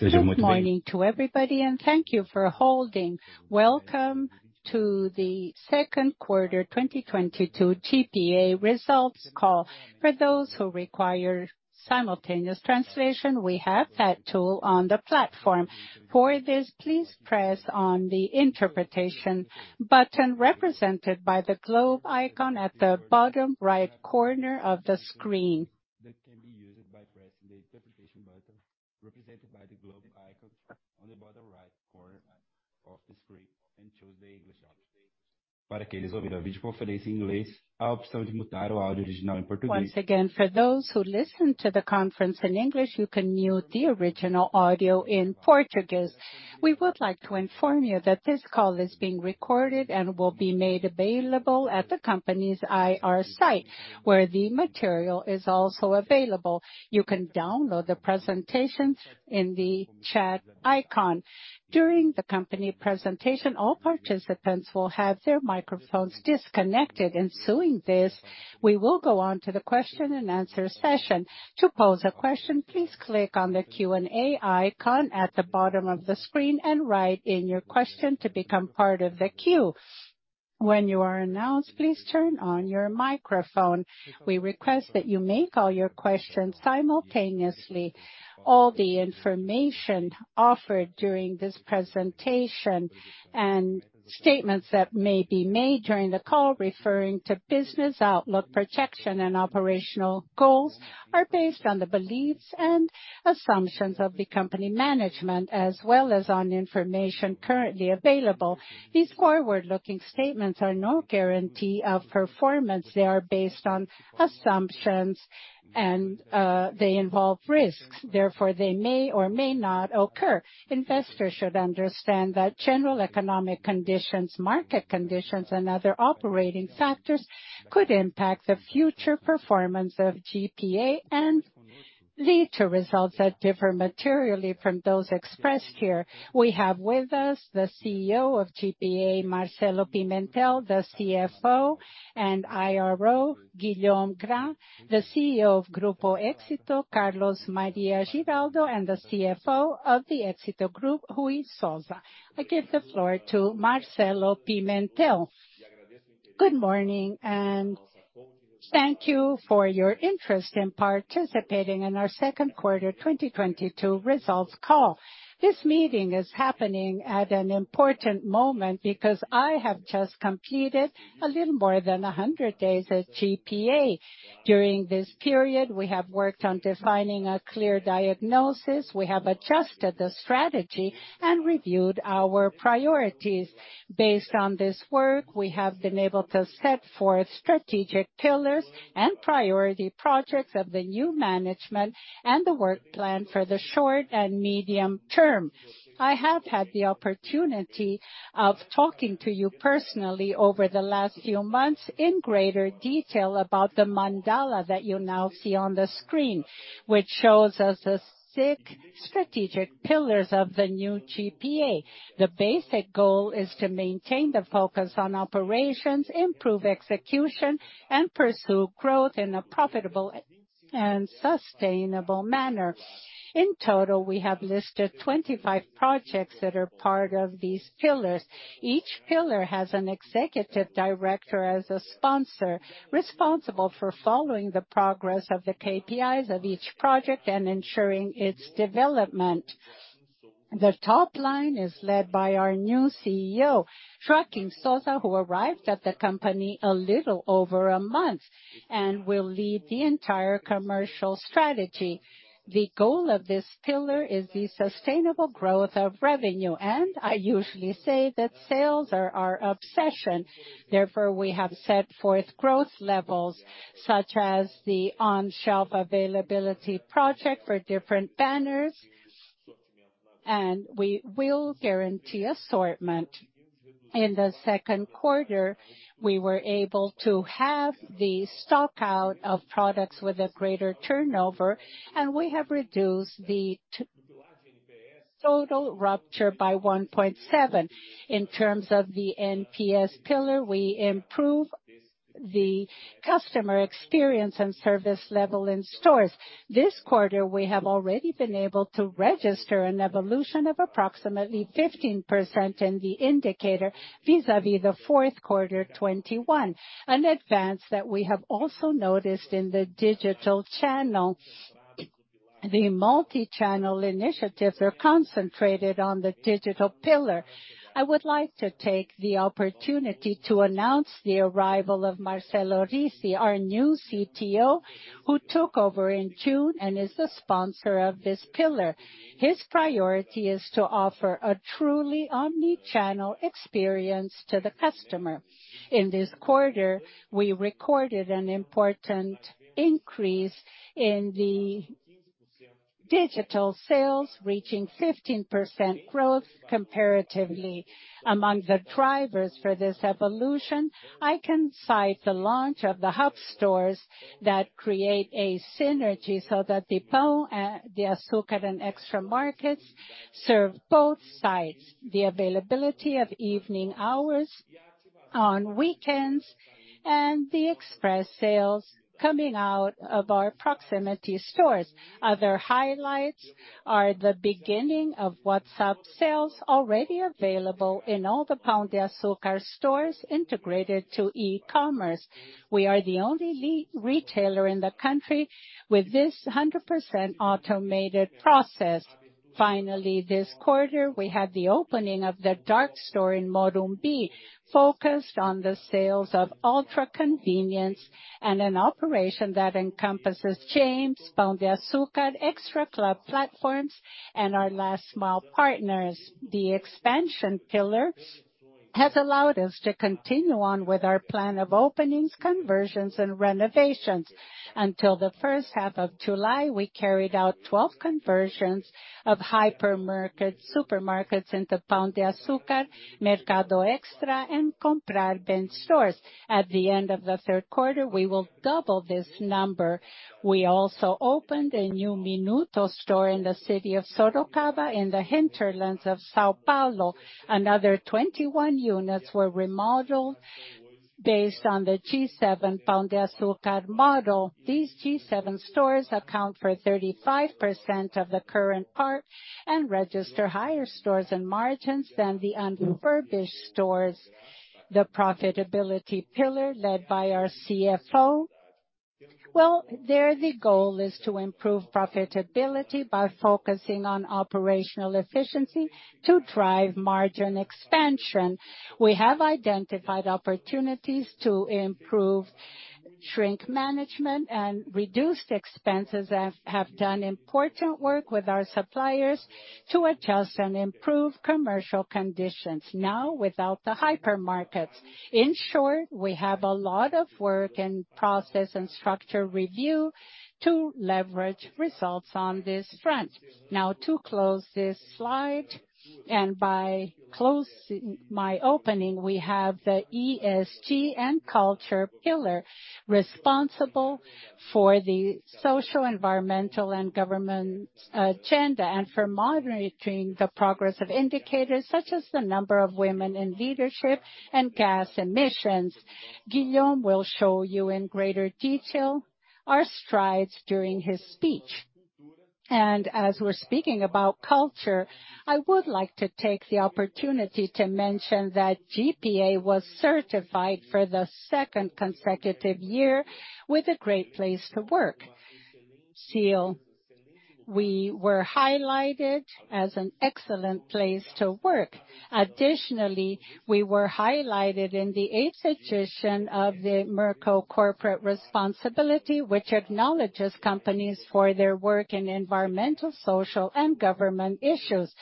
Good morning to everybody, and thank you for holding. Welcome to the second quarter 2022 GPA results call. For those who require simultaneous translation, we have that tool on the platform. For this, please press on the interpretation button represented by the globe icon at the bottom right corner of the screen. That can be used by pressing the interpretation button represented by the globe icon on the bottom right corner of the screen, and choose the English option. Once again, for those who listen to the conference in English, you can mute the original audio in Portuguese. We would like to inform you that this call is being recorded and will be made available at the company's IR site, where the material is also available. You can download the presentations in the chat icon. During the company presentation, all participants will have their microphones disconnected. Ensuing this, we will go on to the question and answer session. To pose a question, please click on the Q&A icon at the bottom of the screen and write in your question to become part of the queue. When you are announced, please turn on your microphone. We request that you make all your questions simultaneously. All the information offered during this presentation and statements that may be made during the call referring to business outlook, projection and operational goals are based on the beliefs and assumptions of the company management as well as on information currently available. These forward-looking statements are no guarantee of performance. They are based on assumptions and they involve risks. Therefore, they may or may not occur. Investors should understand that general economic conditions, market conditions and other operating factors could impact the future performance of GPA and lead to results that differ materially from those expressed here. We have with us the CEO of GPA, Marcelo Pimentel, the CFO and IRO, Guillaume Gras, the CEO of Grupo Éxito, Carlos Mario Giraldo Moreno, and the CFO of the Éxito Group, Ruy Souza. I give the floor to Marcelo Pimentel. Good morning and thank you for your interest in participating in our second quarter 2022 results call. This meeting is happening at an important moment because I have just completed a little more than 100 days at GPA. During this period, we have worked on defining a clear diagnosis, we have adjusted the strategy and reviewed our priorities. Based on this work, we have been able to set forth strategic pillars and priority projects of the new management and the work plan for the short and medium term. I have had the opportunity of talking to you personally over the last few months in greater detail about the mandala that you now see on the screen, which shows us the six strategic pillars of the new GPA. The basic goal is to maintain the focus on operations, improve execution, and pursue growth in a profitable and sustainable manner. In total, we have listed 25 projects that are part of these pillars. Each pillar has an executive director as a sponsor, responsible for following the progress of the KPIs of each project and ensuring its development. The top line is led by our new CEO, Joaquim Souza, who arrived at the company a little over a month and will lead the entire commercial strategy. The goal of this pillar is the sustainable growth of revenue, and I usually say that sales are our obsession. Therefore, we have set forth growth levels such as the on-shelf availability project for different banners, and we will guarantee assortment. In the second quarter, we were able to have the stock out of products with a greater turnover, and we have reduced the total rupture by 1.7%. In terms of the NPS pillar, we improve the customer experience and service level in stores. This quarter, we have already been able to register an evolution of approximately 15% in the indicator vis-à-vis the fourth quarter 2021, an advance that we have also noticed in the digital channel. The multi-channel initiatives are concentrated on the digital pillar. I would like to take the opportunity to announce the arrival of Marcelo Rissi, our new CTO, who took over in June and is the sponsor of this pillar. His priority is to offer a truly omni-channel experience to the customer. In this quarter, we recorded an important increase in the digital sales, reaching 15% growth comparatively. Among the drivers for this evolution, I can cite the launch of the hub stores that create a synergy so that the Pão de Açúcar and Extra markets serve both sides. The availability of evening hours on weekends and the express sales coming out of our proximity stores. Other highlights are the beginning of WhatsApp sales already available in all the Pão de Açúcar stores integrated to e-commerce. We are the only retailer in the country with this 100% automated process. Finally, this quarter, we had the opening of the dark store in Morumbi, focused on the sales of ultra convenience and an operation that encompasses James, Pão de Açúcar, Clube Extra platforms, and our last mile partners. The expansion pillar has allowed us to continue on with our plan of openings, conversions and renovations. Until the first half of July, we carried out 12 conversions of hypermarket supermarkets into Pão de Açúcar, Mercado Extra and Compre Bem stores. At the end of the third quarter, we will double this number. We also opened a new Minuto store in the city of Sorocaba, in the hinterlands of São Paulo. Another 21 units were remodeled based on the G7 Pão de Açúcar model. These G7 stores account for 35% of the current park and register higher sales and margins than the unrefurbished stores. The profitability pillar led by our CFO. Well, there the goal is to improve profitability by focusing on operational efficiency to drive margin expansion. We have identified opportunities to improve shrink management and reduced expenses and have done important work with our suppliers to adjust and improve commercial conditions now without the hypermarkets. In short, we have a lot of work and process and structure review to leverage results on this front. Now to close this slide, and by close my opening, we have the ESG and culture pillar responsible for the social, environmental and governance agenda and for monitoring the progress of indicators such as the number of women in leadership and gas emissions. Guillaume will show you in greater detail our strides during his speech. As we're speaking about culture, I would like to take the opportunity to mention that GPA was certified for the second consecutive year with a Great Place to Work. Still, we were highlighted as an excellent place to work. Additionally, we were highlighted in the eighth edition of the Merco Responsibility, which acknowledges companies for their work in environmental, social and governance issues.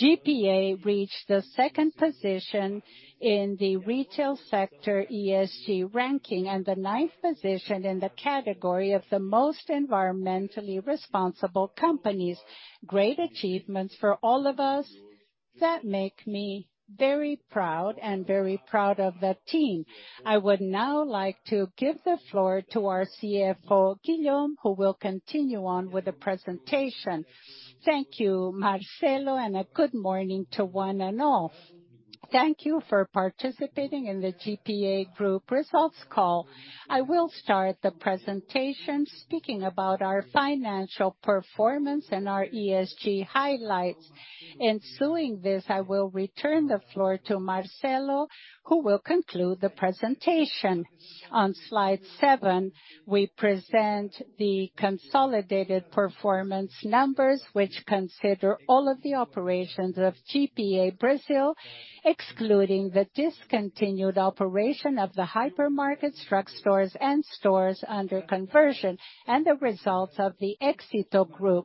GPA reached the second position in the retail sector ESG ranking and the ninth position in the category of the most environmentally responsible companies. Great achievements for all of us that make me very proud and very proud of the team. I would now like to give the floor to our CFO, Guillaume, who will continue on with the presentation. Thank you, Marcelo, and a good morning to one and all. Thank you for participating in the GPA Group results call. I will start the presentation speaking about our financial performance and our ESG highlights. Ensuing this, I will return the floor to Marcelo, who will conclude the presentation. On slide seven, we present the consolidated performance numbers which consider all of the operations of GPA Brazil, excluding the discontinued operation of the hypermarket, drug stores and stores under conversion, and the results of the Grupo Éxito.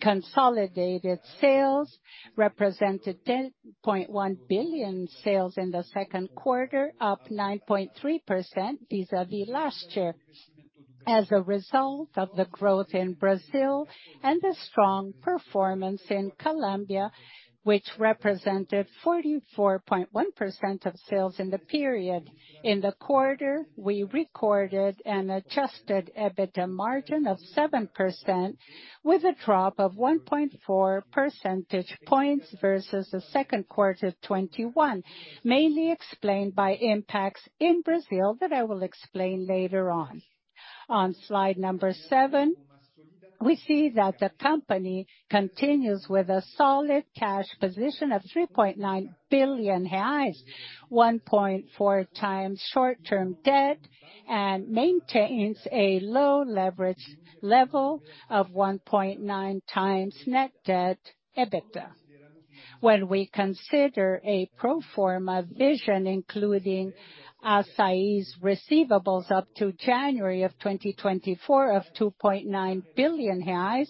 Consolidated sales represented 10.1 billion sales in the second quarter, up 9.3% vis-à-vis last year. As a result of the growth in Brazil and the strong performance in Colombia, which represented 44.1% of sales in the period. In the quarter, we recorded an adjusted EBITDA margin of 7% with a drop of 1.4 percentage points versus the second quarter 2021, mainly explained by impacts in Brazil that I will explain later on. On slide number seven, we see that the company continues with a solid cash position of 3.9 billion reais, 1.4x short-term debt, and maintains a low leverage level of 1.9x net debt EBITDA. When we consider a pro forma version, including Assaí's receivables up to January 2024 of 2.9 billion reais,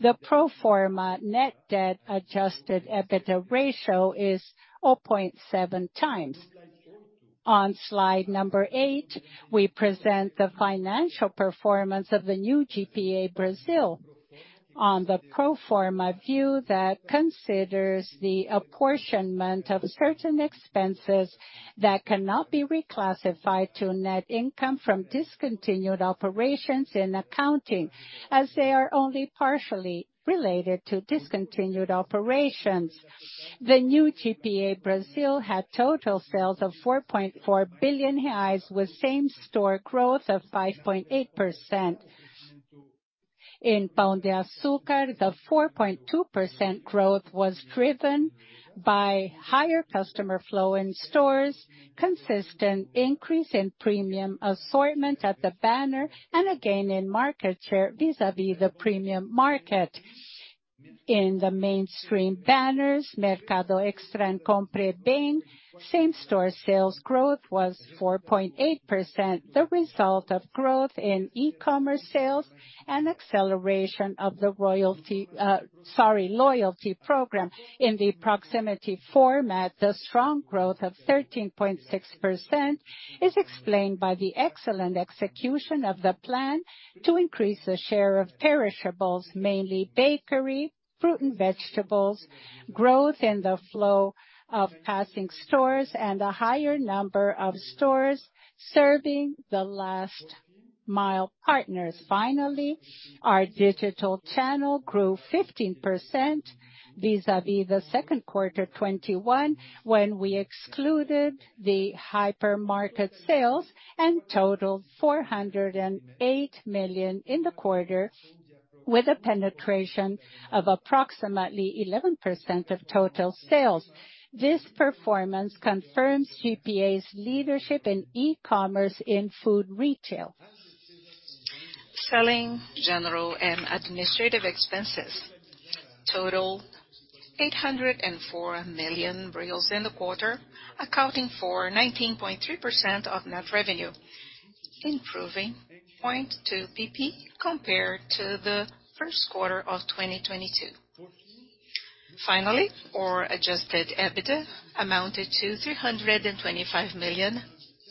the pro forma net debt adjusted EBITDA ratio is 0.7x. On slide number eight, we present the financial performance of the new GPA Brazil on the pro forma view that considers the apportionment of certain expenses that cannot be reclassified to net income from discontinued operations in accounting as they are only partially related to discontinued operations. The new GPA Brazil had total sales of 4.4 billion reais with same-store growth of 5.8%. In Pão de Açúcar, the 4.2% growth was driven by higher customer flow in stores, consistent increase in premium assortment at the banner, and a gain in market share vis-à-vis the premium market. In the mainstream banners, Mercado Extra and Compre Bem, same store sales growth was 4.8%, the result of growth in e-commerce sales and acceleration of the loyalty program. In the proximity format, the strong growth of 13.6% is explained by the excellent execution of the plan to increase the share of perishables, mainly bakery, fruit and vegetables, growth in the flow of passing stores, and a higher number of stores serving the last mile partners. Our digital channel grew 15% vis-à-vis the second quarter of 2021, when we excluded the hypermarket sales, and totaled 408 million in the quarter, with a penetration of approximately 11% of total sales. This performance confirms GPA's leadership in e-commerce in food retail. Selling, general and administrative expenses totaled 804 million reais in the quarter, accounting for 19.3% of net revenue, improving 0.2 BP compared to the first quarter of 2022. Our adjusted EBITDA amounted to 325 million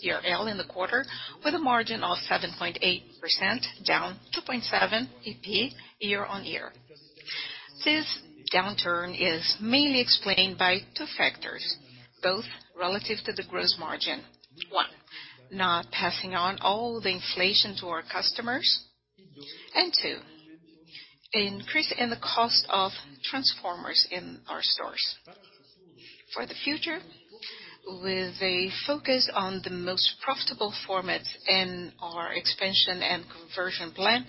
in the quarter, with a margin of 7.8%, down 2.7 BP year-on-year. This downturn is mainly explained by two factors, both relative to the gross margin. One, not passing on all the inflation to our customers. Two, increase in the cost of transfers in our stores. For the future, with a focus on the most profitable formats in our expansion and conversion plan,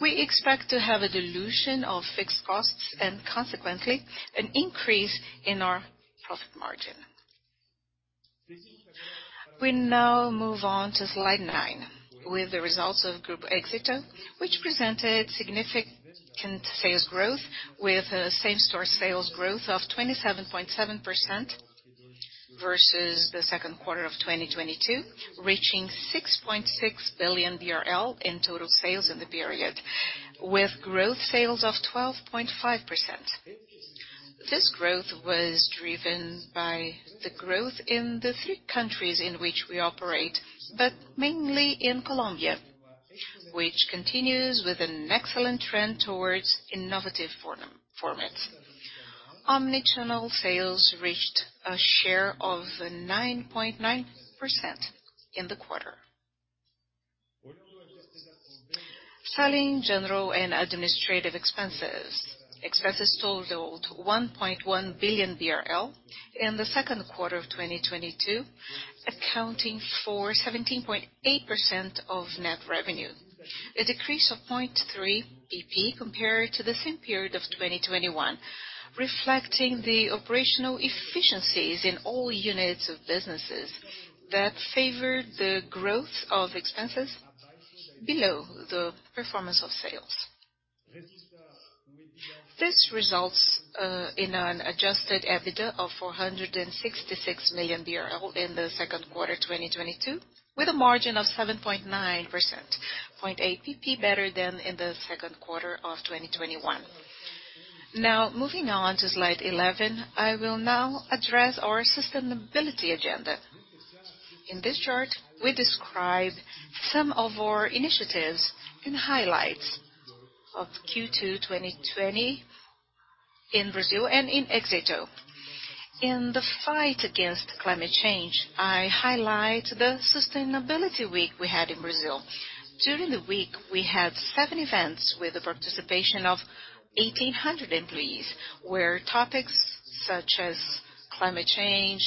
we expect to have a dilution of fixed costs and consequently, an increase in our profit margin. We now move on to slide nine, with the results of Grupo Éxito, which presented significant sales growth with a same-store sales growth of 27.7% versus the second quarter of 2022, reaching 6.6 billion BRL in total sales in the period, with sales growth of 12.5%. This growth was driven by the growth in the three countries in which we operate, but mainly in Colombia, which continues with an excellent trend towards innovative formats. Omnichannel sales reached a share of 9.9% in the quarter. Selling, general, and administrative expenses. Expenses totaled 1.1 billion BRL in the second quarter of 2022, accounting for 17.8% of net revenue. A decrease of 0.3 BP compared to the same period of 2021, reflecting the operational efficiencies in all units of businesses that favored the growth of expenses below the performance of sales. This results in an adjusted EBITDA of 466 million BRL in the second quarter, 2022, with a margin of 7.9%, 0.8 PP better than in the second quarter of 2021. Now, moving on to slide 11, I will now address our sustainability agenda. In this chart, we describe some of our initiatives and highlights of Q2 2020 in Brazil and in Éxito. In the fight against climate change, I highlight the sustainability week we had in Brazil. During the week, we had seven events with a participation of 1,800 employees, where topics such as climate change,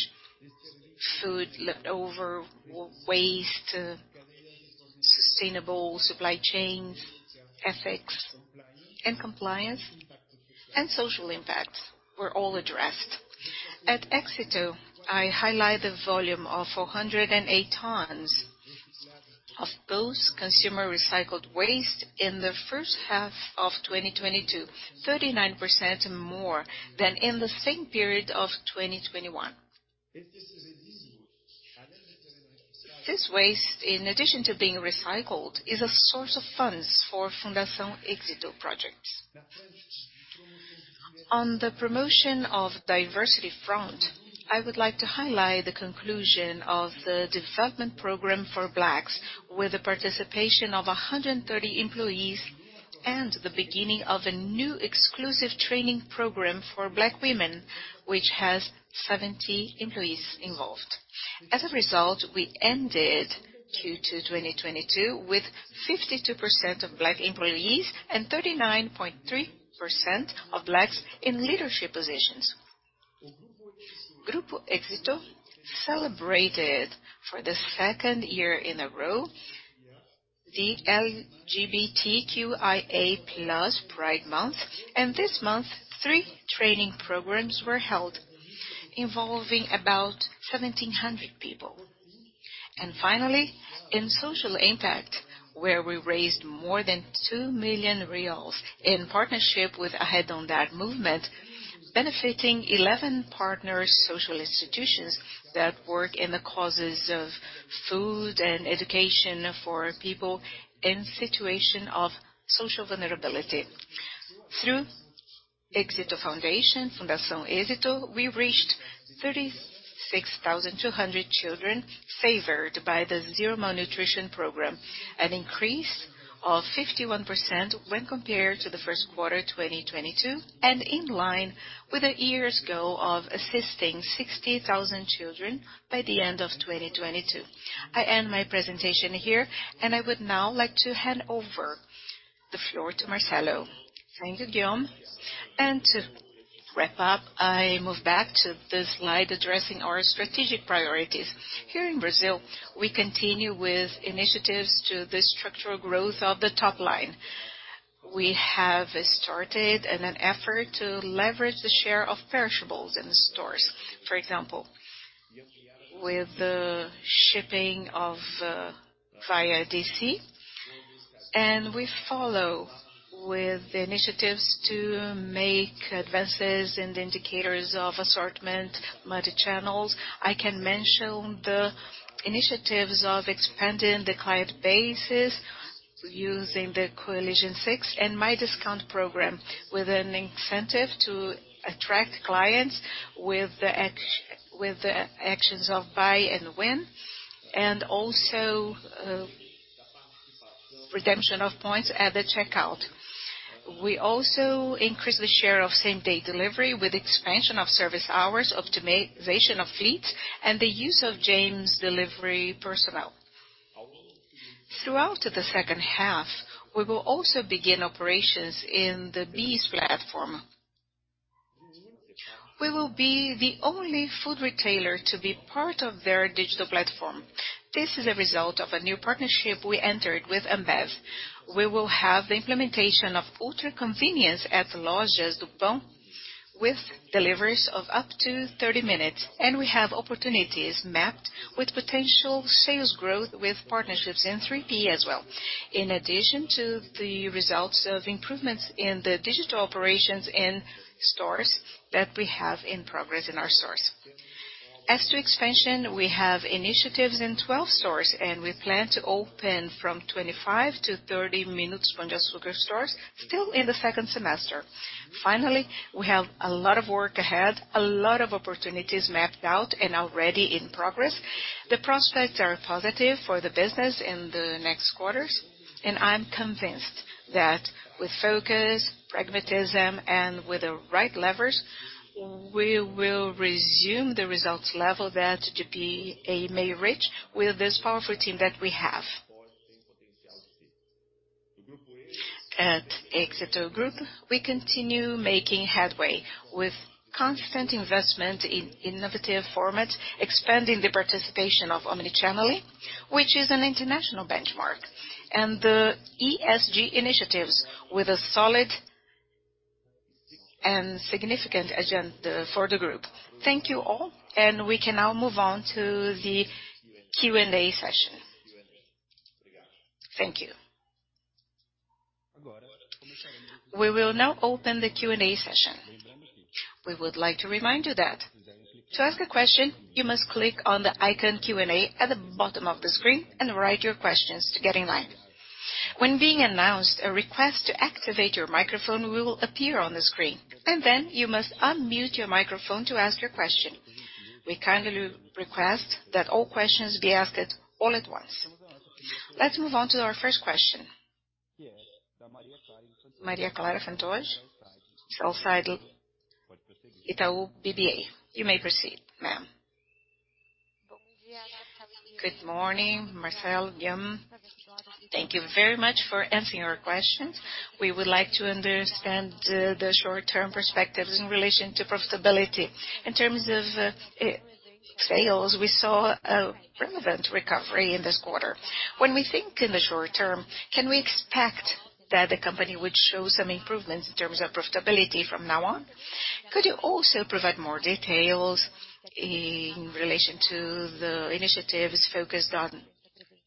leftover food, waste, sustainable supply chains, ethics and compliance, and social impact were all addressed. At Éxito, I highlight the volume of 408 tons of consumer recycled waste in the first half of 2022, 39% more than in the same period of 2021. This waste, in addition to being recycled, is a source of funds for Fundación Éxito projects. On the promotion of diversity front, I would like to highlight the conclusion of the development program for Blacks with a participation of 130 employees and the beginning of a new exclusive training program for Black women, which has 70 employees involved. As a result, we ended Q2 2022 with 52% of Black employees and 39.3% of Blacks in leadership positions. Grupo Éxito celebrated for the second year in a row the LGBTQIA+ Pride Month. This month, three training programs were held involving about 1,700 people. Finally, in social impact, we raised more than 2 million reais in partnership with ahead on that movement, benefiting 11 partner social institutions that work in the causes of food and education for people in situation of social vulnerability. Through Éxito Foundation, Fundación Éxito, we reached 36,200 children favored by the Zero Malnutrition program, an increase of 51% when compared to Q1 2022, and in line with the year's goal of assisting 60,000 children by the end of 2022. I end my presentation here, and I would now like to hand over the floor to Marcelo. Thank you, Guillaume. To wrap up, I move back to the slide addressing our strategic priorities. Here in Brazil, we continue with initiatives to the structural growth of the top line. We have started an effort to leverage the share of perishables in stores, for example, with the shipping via DC. We follow with initiatives to make advances in the indicators of assortment multi-channels. I can mention the initiatives of expanding the client bases using the Stix and Meu Desconto program with an incentive to attract clients with the actions of buy and win, and also redemption of points at the checkout. We also increase the share of same-day delivery with expansion of service hours, optimization of fleet, and the use of James Delivery personnel. Throughout the second half, we will also begin operations in the BEES platform. We will be the only food retailer to be part of their digital platform. This is a result of a new partnership we entered with Ambev. We will have the implementation of ultra convenience at Lojas do Pão with deliveries of up to 30 minutes, and we have opportunities mapped with potential sales growth with partnerships in 3P as well. In addition to the results of improvements in the digital operations in stores that we have in progress in our stores. As to expansion, we have initiatives in 12 stores, and we plan to open from 25-30 Minuto Pão de Açúcar stores still in the second semester. Finally, we have a lot of work ahead, a lot of opportunities mapped out and already in progress. The prospects are positive for the business in the next quarters, and I'm convinced that with focus, pragmatism, and with the right levers, we will resume the results level that GPA may reach with this powerful team that we have. At Grupo Éxito, we continue making headway with constant investment in innovative formats, expanding the participation of omnichannel, which is an international benchmark. The ESG initiatives with a solid and significant agenda for the group. Thank you all, and we can now move on to the Q&A session. Thank you. We will now open the Q&A session. We would like to remind you that to ask a question, you must click on the icon Q&A at the bottom of the screen and write your questions to get in line. When being announced, a request to activate your microphone will appear on the screen, and then you must unmute your microphone to ask your question. We kindly request that all questions be asked all at once. Let's move on to our first question. Maria Clara Fantozzi, Sell-Side Itaú BBA. You may proceed, ma'am. Good morning, Marcelo, Guillaume. Thank you very much for answering our questions. We would like to understand the short term perspectives in relation to profitability. In terms of sales, we saw a relevant recovery in this quarter. When we think in the short term, can we expect that the company would show some improvements in terms of profitability from now on? Could you also provide more details in relation to the initiatives focused on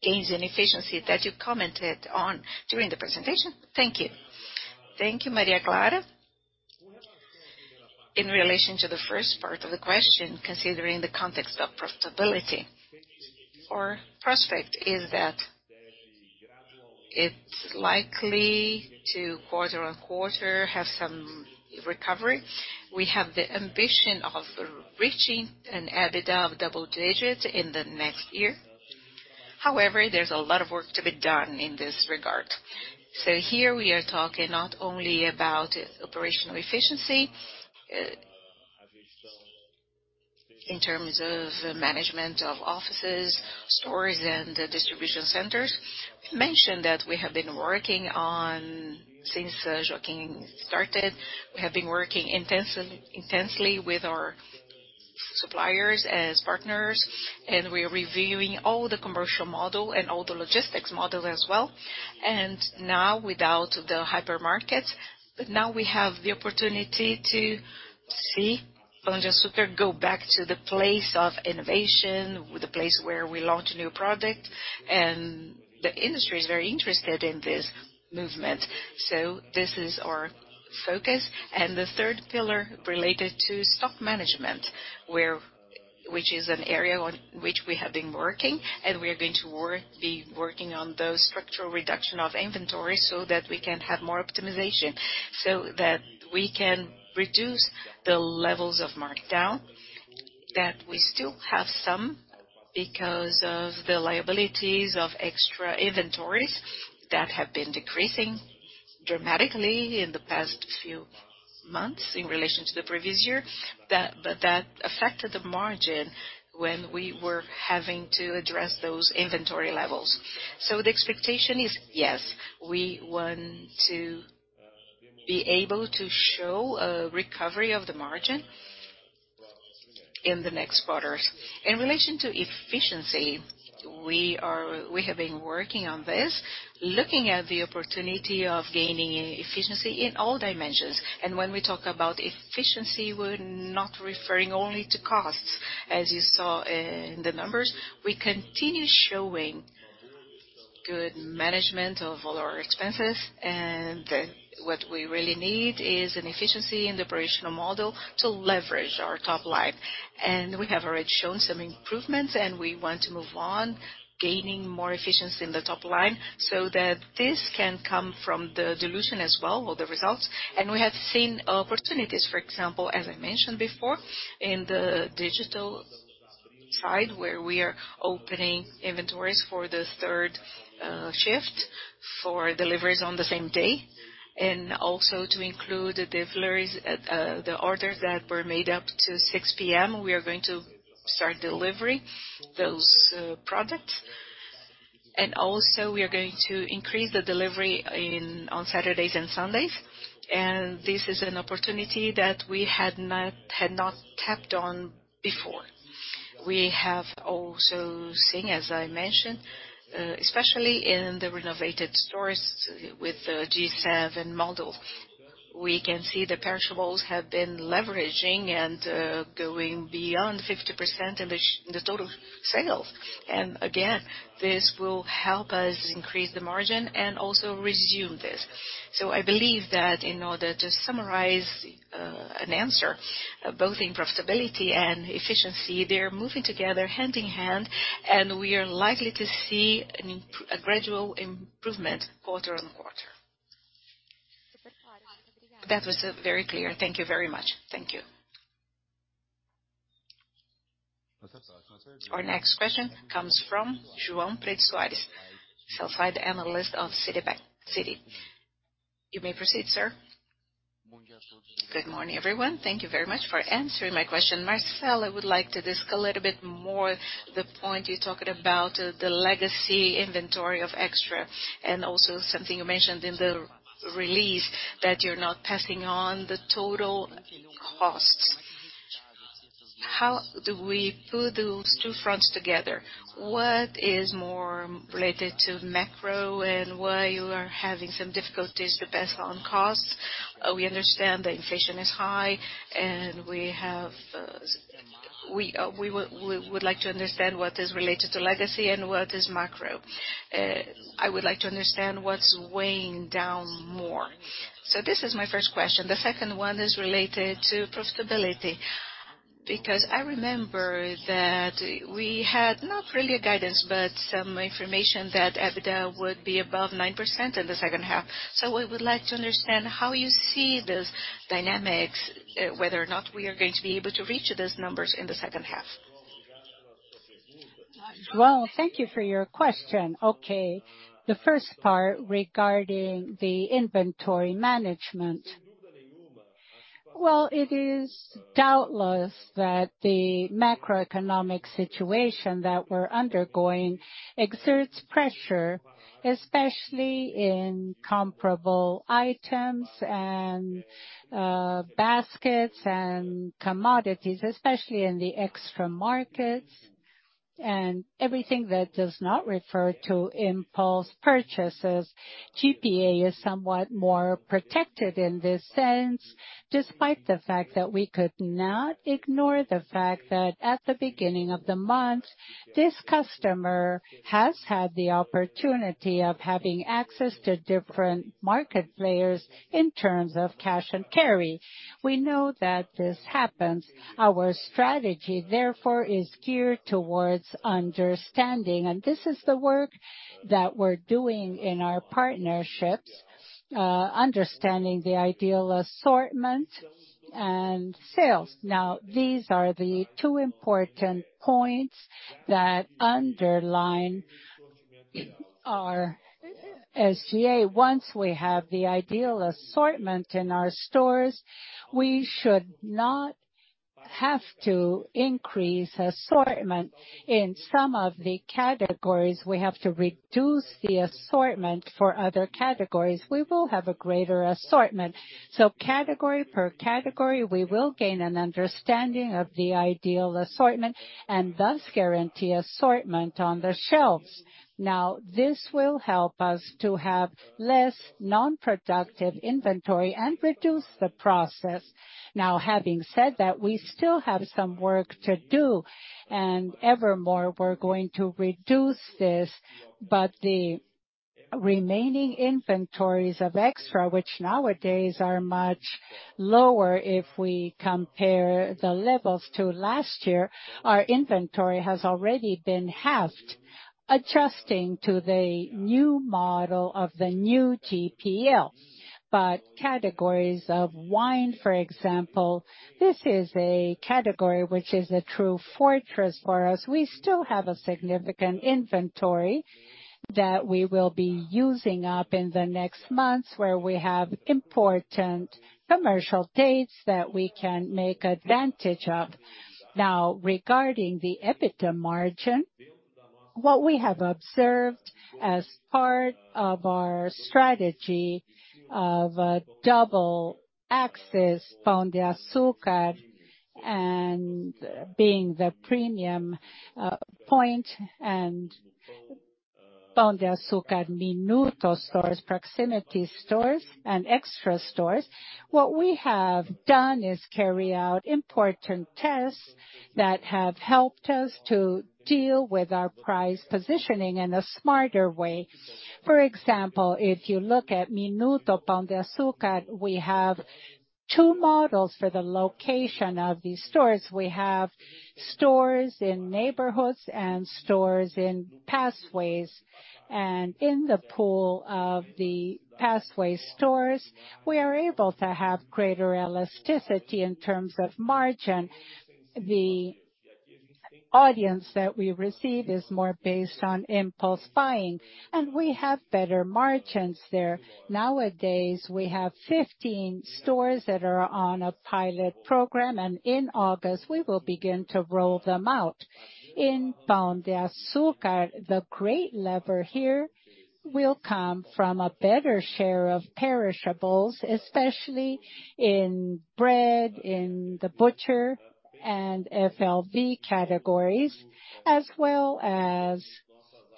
gains and efficiency that you commented on during the presentation? Thank you. Thank you, Maria Clara. In relation to the first part of the question, considering the context of profitability, our prospect is that it's likely to quarter-over-quarter have some recovery. We have the ambition of reaching an EBITDA of double digits in the next year. However, there's a lot of work to be done in this regard. Here we are talking not only about operational efficiency. In terms of management of offices, stores, and distribution centers. We mentioned that. Since Joaquin started, we have been working intensely with our suppliers as partners, and we're reviewing all the commercial model and all the logistics model as well. Now without the hypermarket, but now we have the opportunity to see Pão de Açúcar go back to the place of innovation, with the place where we launched a new product. The industry is very interested in this movement. This is our focus. The third pillar related to stock management, which is an area on which we have been working, and we are going to be working on those structural reduction of inventory so that we can have more optimization, so that we can reduce the levels of markdown, that we still have some because of the liabilities of extra inventories that have been decreasing dramatically in the past few months in relation to the previous year. But that affected the margin when we were having to address those inventory levels. The expectation is, yes, we want to be able to show a recovery of the margin in the next quarters. In relation to efficiency, we have been working on this, looking at the opportunity of gaining efficiency in all dimensions. When we talk about efficiency, we're not referring only to costs. As you saw in the numbers, we continue showing good management of all our expenses. Then what we really need is an efficiency in the operational model to leverage our top line. We have already shown some improvements, and we want to move on gaining more efficiency in the top line so that this can come from the dilution as well, or the results. We have seen opportunities, for example, as I mentioned before, in the digital side, where we are opening inventories for the third shift for deliveries on the same day, and also to include the orders that were made up to 6 P.M., we are going to start delivering those products. We are also going to increase the delivery on Saturdays and Sundays. This is an opportunity that we had not kept on before. We have also seen, as I mentioned, especially in the renovated stores with the G7 model, we can see the perishables have been leveraging and going beyond 50% of the total sales. Again, this will help us increase the margin and also resume this. I believe that in order to summarize an answer, both in profitability and efficiency, they're moving together hand in hand, and we are likely to see a gradual improvement quarter on quarter. That was very clear. Thank you very much. Thank you. Our next question comes from João Pedro Soares, sell-side analyst of Citibank. You may proceed, sir. Good morning, everyone. Thank you very much for answering my question. Marcelo, I would like to discuss a little bit more the point you talked about the legacy inventory of Extra and also something you mentioned in the release that you're not passing on the total costs. How do we put those two fronts together? What is more related to macro and why you are having some difficulties to pass on costs? We understand the inflation is high, and we would like to understand what is related to legacy and what is macro. I would like to understand what's weighing down more. This is my first question. The second one is related to profitability, because I remember that we had not really a guidance, but some information that EBITDA would be above 9% in the second half. We would like to understand how you see those dynamics, whether or not we are going to be able to reach those numbers in the second half. Well, thank you for your question. Okay. The first part regarding the inventory management. Well, it is doubtless that the macroeconomic situation that we're undergoing exerts pressure, especially in comparable items and baskets and commodities, especially in the Extra markets and everything that does not refer to impulse purchases. GPA is somewhat more protected in this sense, despite the fact that we could not ignore the fact that at the beginning of the month, this customer has had the opportunity of having access to different market players in terms of cash and carry. We know that this happens. Our strategy, therefore, is geared towards understanding, and this is the work that we're doing in our partnerships, understanding the ideal assortment and sales. These are the two important points that underline our SG&A. Once we have the ideal assortment in our stores, we should not have to increase assortment in some of the categories. We have to reduce the assortment for other categories. We will have a greater assortment. Category per category, we will gain an understanding of the ideal assortment and thus guarantee assortment on the shelves. This will help us to have less non-productive inventory and reduce the process. Having said that, we still have some work to do, and however, we're going to reduce this. The remaining inventories of Extra, which nowadays are much lower if we compare the levels to last year, our inventory has already been halved, adjusting to the new model of the new TPL. Categories of wine, for example, this is a category which is a true fortress for us. We still have a significant inventory that we will be using up in the next months, where we have important commercial dates that we can take advantage of. Now, regarding the EBITDA margin, what we have observed as part of our strategy of a dual axis, Pão de Açúcar, and being the premium point and Minuto Pão de Açúcar stores, proximity stores, and Extra stores, what we have done is carry out important tests that have helped us to deal with our price positioning in a smarter way. For example, if you look at Minuto Pão de Açúcar, we have two models for the location of these stores. We have stores in neighborhoods and stores in pathways. In the pool of the pathway stores, we are able to have greater elasticity in terms of margin. The audience that we receive is more based on impulse buying, and we have better margins there. Nowadays, we have 15 stores that are on a pilot program, and in August, we will begin to roll them out. In Pão de Açúcar, the great lever here will come from a better share of perishables, especially in bread, in the butcher and FLV categories, as well as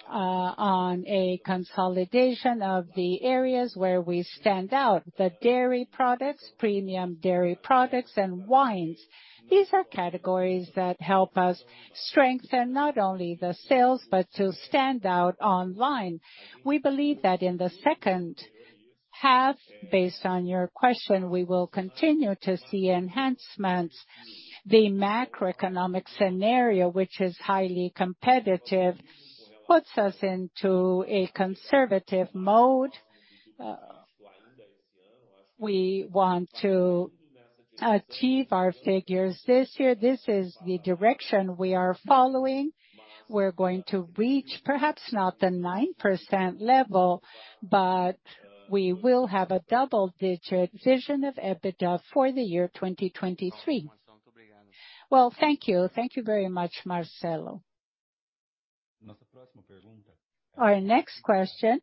on a consolidation of the areas where we stand out, the dairy products, premium dairy products and wines. These are categories that help us strengthen not only the sales, but to stand out online. We believe that in the second half, based on your question, we will continue to see enhancements. The macroeconomic scenario, which is highly competitive, puts us into a conservative mode. We want to achieve our figures this year. This is the direction we are following. We're going to reach perhaps not the 9% level, but we will have a double-digit vision of EBITDA for the year 2023. Well, thank you. Thank you very much, Marcelo. Our next question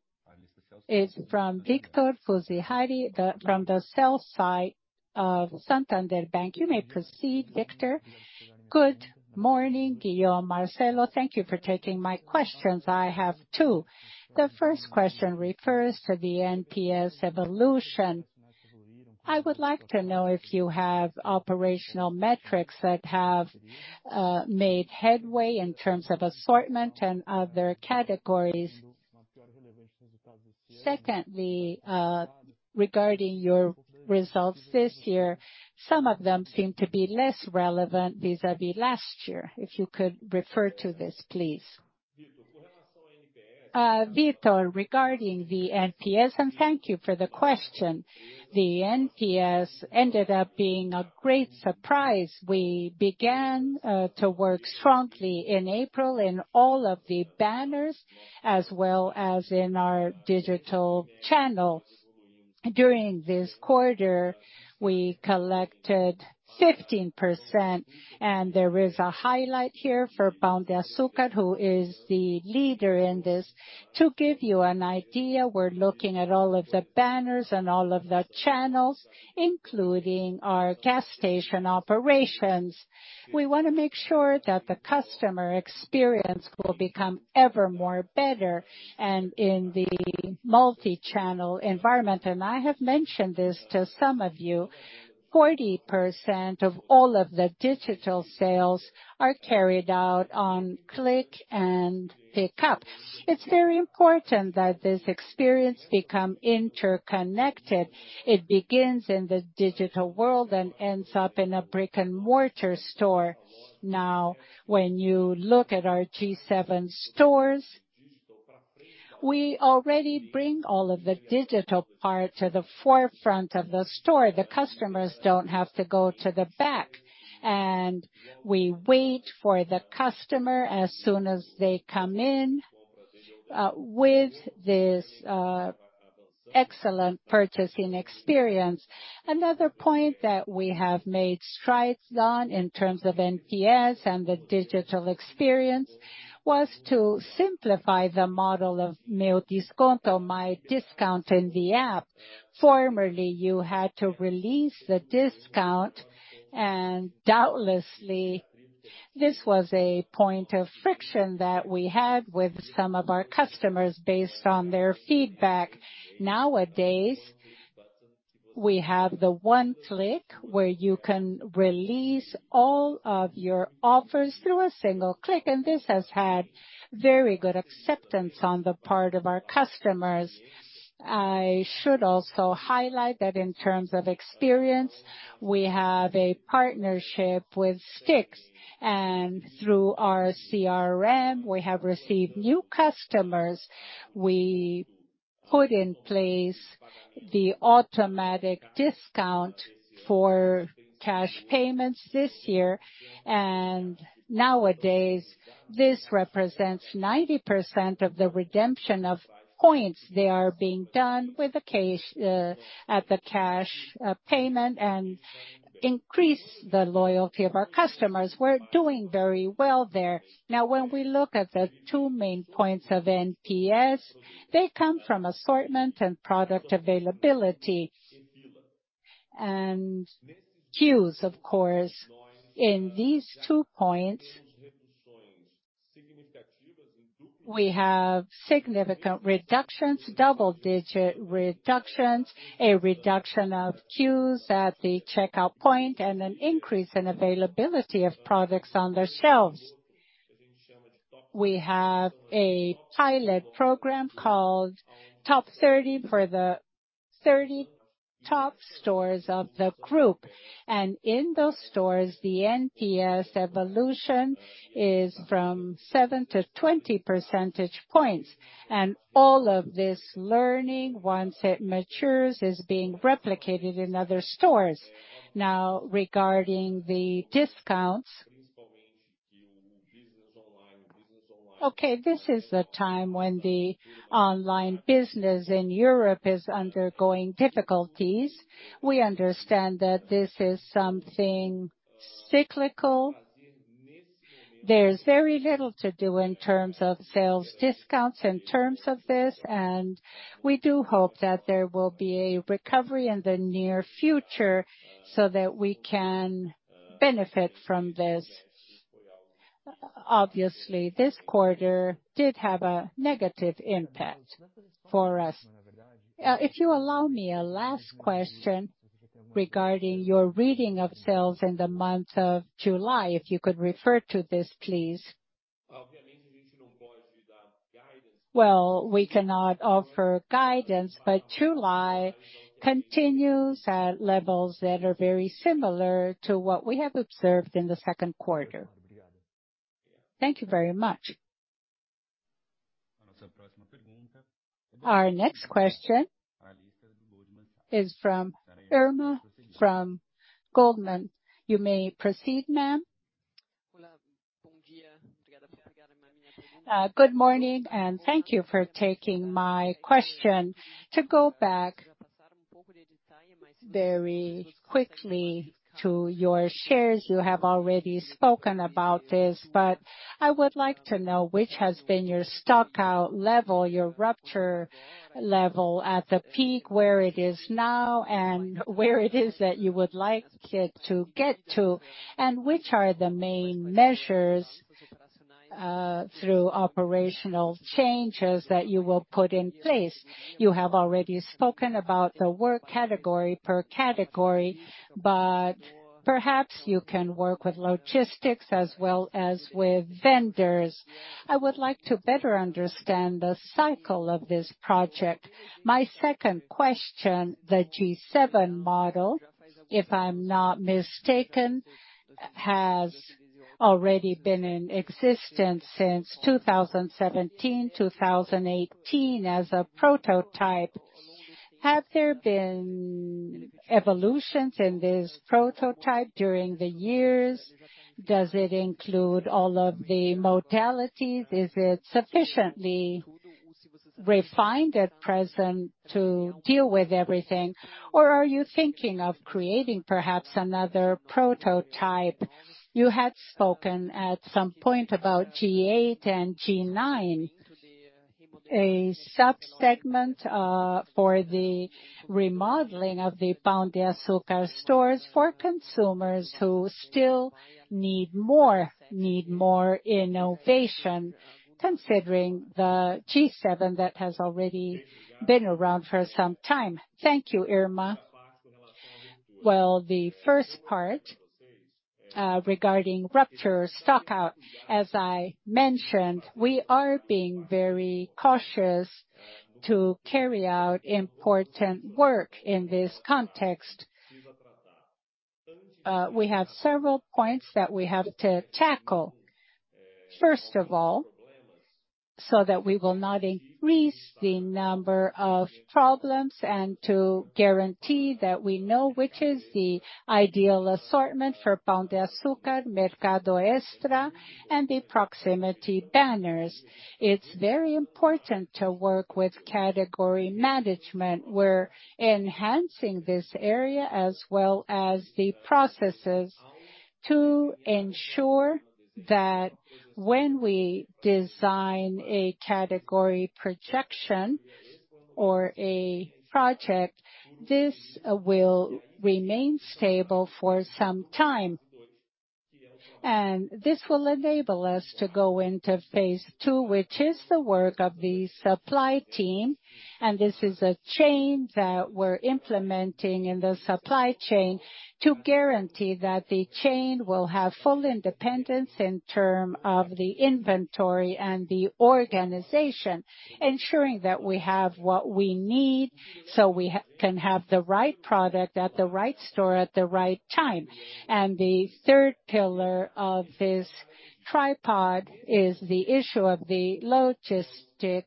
is from Victor Fuzihari from the sell-side of Santander Bank. You may proceed, Victor. Good morning, Guillaume, Marcelo. Thank you for taking my questions. I have two. The first question refers to the NPS evolution. I would like to know if you have operational metrics that have made headway in terms of assortment and other categories. Secondly, regarding your results this year, some of them seem to be less relevant vis-à-vis last year. If you could refer to this, please. Victor, regarding the NPS, and thank you for the question. The NPS ended up being a great surprise. We began to work strongly in April in all of the banners as well as in our digital channels. During this quarter, we collected 15%, and there is a highlight here for Pão de Açúcar, who is the leader in this. To give you an idea, we're looking at all of the banners and all of the channels, including our gas station operations. We wanna make sure that the customer experience will become ever more better and in the multi-channel environment. I have mentioned this to some of you, 40% of all of the digital sales are carried out on click and pick up. It's very important that this experience become interconnected. It begins in the digital world and ends up in a brick-and-mortar store. Now, when you look at our G7 stores. We already bring all of the digital part to the forefront of the store. The customers don't have to go to the back. We wait for the customer as soon as they come in with this excellent purchasing experience. Another point that we have made strides on in terms of NPS and the digital experience was to simplify the model of Meu Desconto, My Discount in the app. Formerly, you had to release the discount, and doubtlessly, this was a point of friction that we had with some of our customers based on their feedback. Nowadays, we have the one click where you can release all of your offers through a single click, and this has had very good acceptance on the part of our customers. I should also highlight that in terms of experience, we have a partnership with Stix, and through our CRM, we have received new customers. We put in place the automatic discount for cash payments this year. Nowadays, this represents 90% of the redemption of coins. They are being done with the cash at the cash payment and increase the loyalty of our customers. We're doing very well there. Now when we look at the two main points of NPS, they come from assortment and product availability. Queues, of course. In these two points, we have significant reductions, double-digit reductions, a reduction of queues at the checkout point, and an increase in availability of products on their shelves. We have a pilot program called Top 30 for the 30 top stores of the group. In those stores, the NPS evolution is from 7-20 percentage points. All of this learning, once it matures, is being replicated in other stores. Now regarding the discounts. Okay, this is the time when the online business in Europe is undergoing difficulties. We understand that this is something cyclical. There's very little to do in terms of sales discounts in terms of this, and we do hope that there will be a recovery in the near future so that we can benefit from this. Obviously, this quarter did have a negative impact for us. If you allow me a last question regarding your reading of sales in the month of July, if you could refer to this, please. Well, we cannot offer guidance, but July continues at levels that are very similar to what we have observed in the second quarter. Thank you very much. Our next question is from Irma, from Goldman. You may proceed, ma'am. Good morning, and thank you for taking my question. To go back very quickly to your shares, you have already spoken about this, but I would like to know which has been your stock out level, your rupture level at the peak, where it is now, and where it is that you would like it to get to, and which are the main measures, through operational changes that you will put in place. You have already spoken about the work category per category, but perhaps you can work with logistics as well as with vendors. I would like to better understand the cycle of this project. My second question, the G7 model, if I'm not mistaken, has already been in existence since 2017, 2018 as a prototype. Have there been evolutions in this prototype during the years? Does it include all of the modalities? Is it sufficiently refined at present to deal with everything? Or are you thinking of creating perhaps another prototype? You had spoken at some point about G8 and G9. A subsegment for the remodeling of the Pão de Açúcar stores for consumers who still need more innovation, considering the G7 that has already been around for some time. Thank you, Irma. Well, the first part, regarding rupture stock out, as I mentioned, we are being very cautious to carry out important work in this context. We have several points that we have to tackle. First of all, so that we will not increase the number of problems and to guarantee that we know which is the ideal assortment for Pão de Açúcar, Mercado Extra, and the proximity banners. It's very important to work with category management. We're enhancing this area as well as the processes to ensure that when we design a category projection or a project, this will remain stable for some time. This will enable us to go into phase two, which is the work of the supply team, and this is a chain that we're implementing in the supply chain to guarantee that the chain will have full independence in terms of the inventory and the organization, ensuring that we have what we need so we can have the right product at the right store at the right time. The third pillar of this tripod is the issue of the logistics mesh.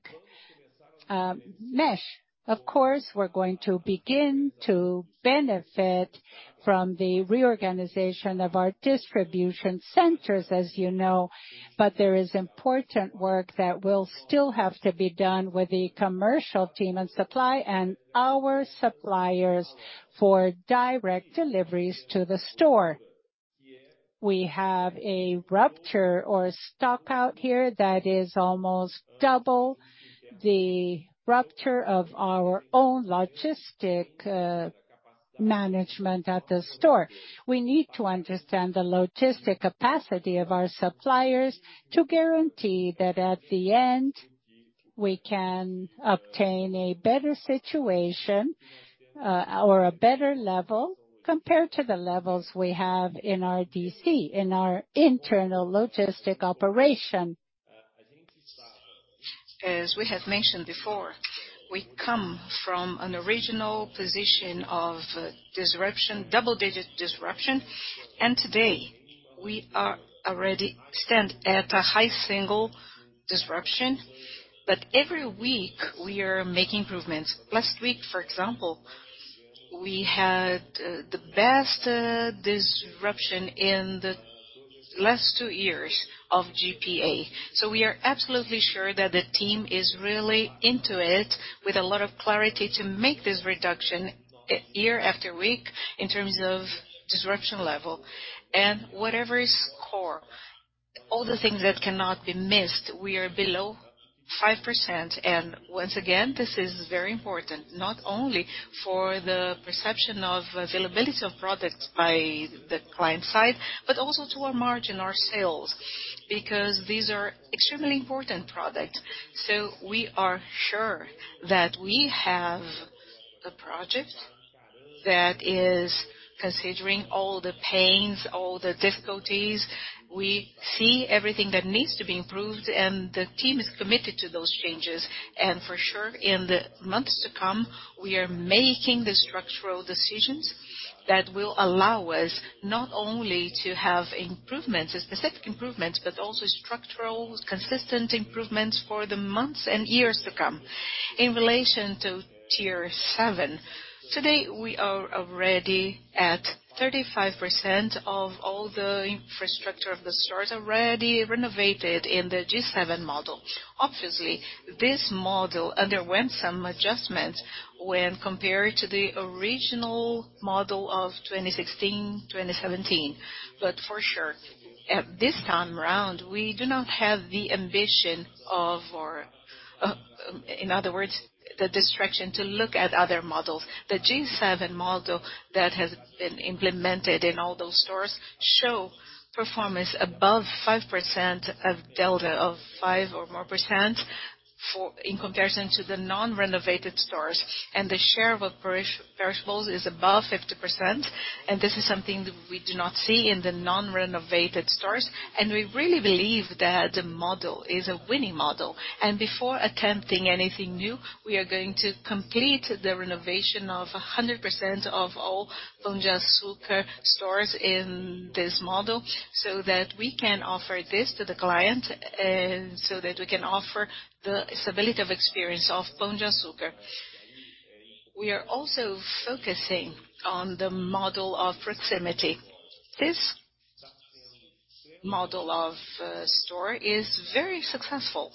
Of course, we're going to begin to benefit from the reorganization of our distribution centers, as you know, but there is important work that will still have to be done with the commercial team and supply and our suppliers for direct deliveries to the store. We have a rupture or stock out here that is almost double the rupture of our own logistics management at the store. We need to understand the logistics capacity of our suppliers to guarantee that at the end, we can obtain a better situation, or a better level compared to the levels we have in our DC, in our internal logistics operation. As we have mentioned before, we come from an original position of disruption, double-digit disruption, and today, we stand at a high single-digit disruption. Every week, we are making improvements. Last week, for example, we had the best disruption in the last two years of GPA. We are absolutely sure that the team is really into it with a lot of clarity to make this reduction year after year in terms of disruption level. Whatever is core, all the things that cannot be missed, we are below 5%. Once again, this is very important, not only for the perception of availability of products by the client side, but also to our margin, our sales, because these are extremely important products. We are sure that we have the project that is considering all the pains, all the difficulties. We see everything that needs to be improved, and the team is committed to those changes. For sure, in the months to come, we are making the structural decisions that will allow us not only to have improvements, specific improvements, but also structural, consistent improvements for the months and years to come. In relation to G7, today we are already at 35% of all the infrastructure of the stores already renovated in the G7 model. Obviously, this model underwent some adjustments when compared to the original model of 2016, 2017. For sure, at this time around, we do not have the ambition, in other words, the distraction to look at other models. The G7 model that has been implemented in all those stores show performance above 5% of delta of 5% or more in comparison to the non-renovated stores. The share of perishables is above 50%, and this is something that we do not see in the non-renovated stores. We really believe that the model is a winning model. Before attempting anything new, we are going to complete the renovation of 100% of all Pão de Açúcar stores in this model so that we can offer this to the client and so that we can offer the stability of experience of Pão de Açúcar. We are also focusing on the model of proximity. This model of store is very successful.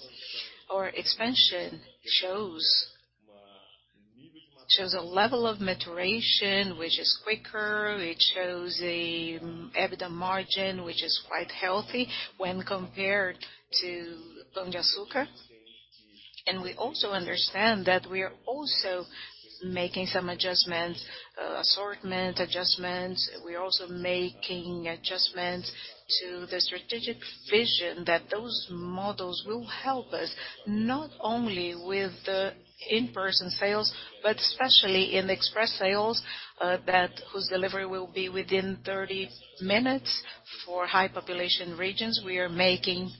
Our expansion shows a level of maturation which is quicker. It shows an EBITDA margin which is quite healthy when compared to Pão de Açúcar. We also understand that we are also making some adjustments, assortment adjustments. We're also making adjustments to the strategic vision that those models will help us not only with the in-person sales, but especially in express sales, whose delivery will be within 30 minutes. For high population regions, we are making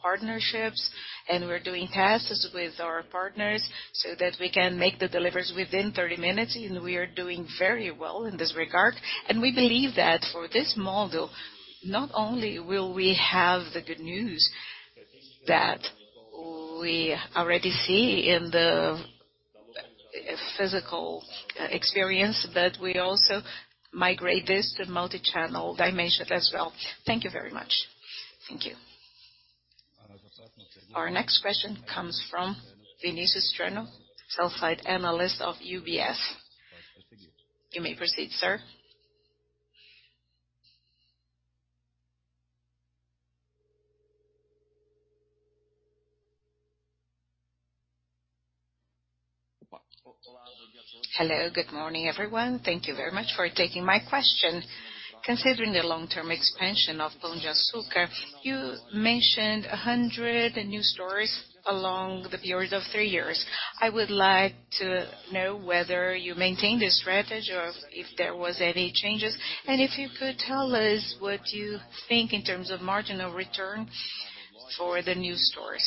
partnerships, and we're doing tests with our partners so that we can make the deliveries within 30 minutes, and we are doing very well in this regard. We believe that for this model, not only will we have the good news that we already see in the physical experience, but we also migrate this to multichannel dimension as well. Thank you very much. Thank you. Our next question comes from Vinicius Strano, Sell-Side Analyst of UBS. You may proceed, sir. Hello, good morning, everyone. Thank you very much for taking my question. Considering the long-term expansion of Pão de Açúcar, you mentioned 100 new stores along the period of three years. I would like to know whether you maintain the strategy or if there was any changes, and if you could tell us what you think in terms of marginal return for the new stores.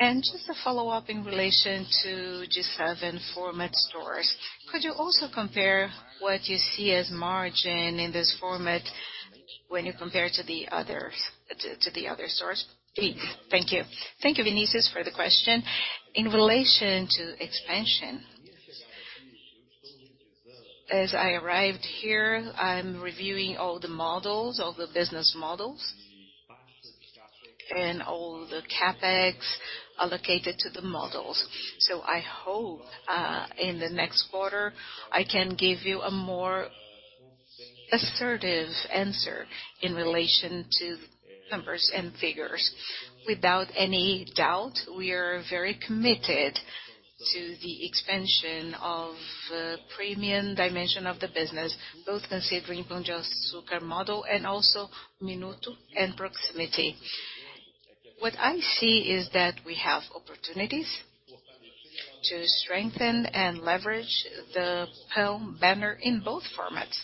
Just a follow-up in relation to G7 format stores. Could you also compare what you see as margin in this format when you compare to the others, to the other stores, please? Thank you. Thank you, Vinicius, for the question. In relation to expansion, as I arrived here, I'm reviewing all the models, all the business models and all the CapEx allocated to the models. I hope in the next quarter, I can give you a more assertive answer in relation to numbers and figures. Without any doubt, we are very committed to the expansion of premium dimension of the business, both considering Pão de Açúcar model and also Minuto and Proximity. What I see is that we have opportunities to strengthen and leverage the PdA banner in both formats.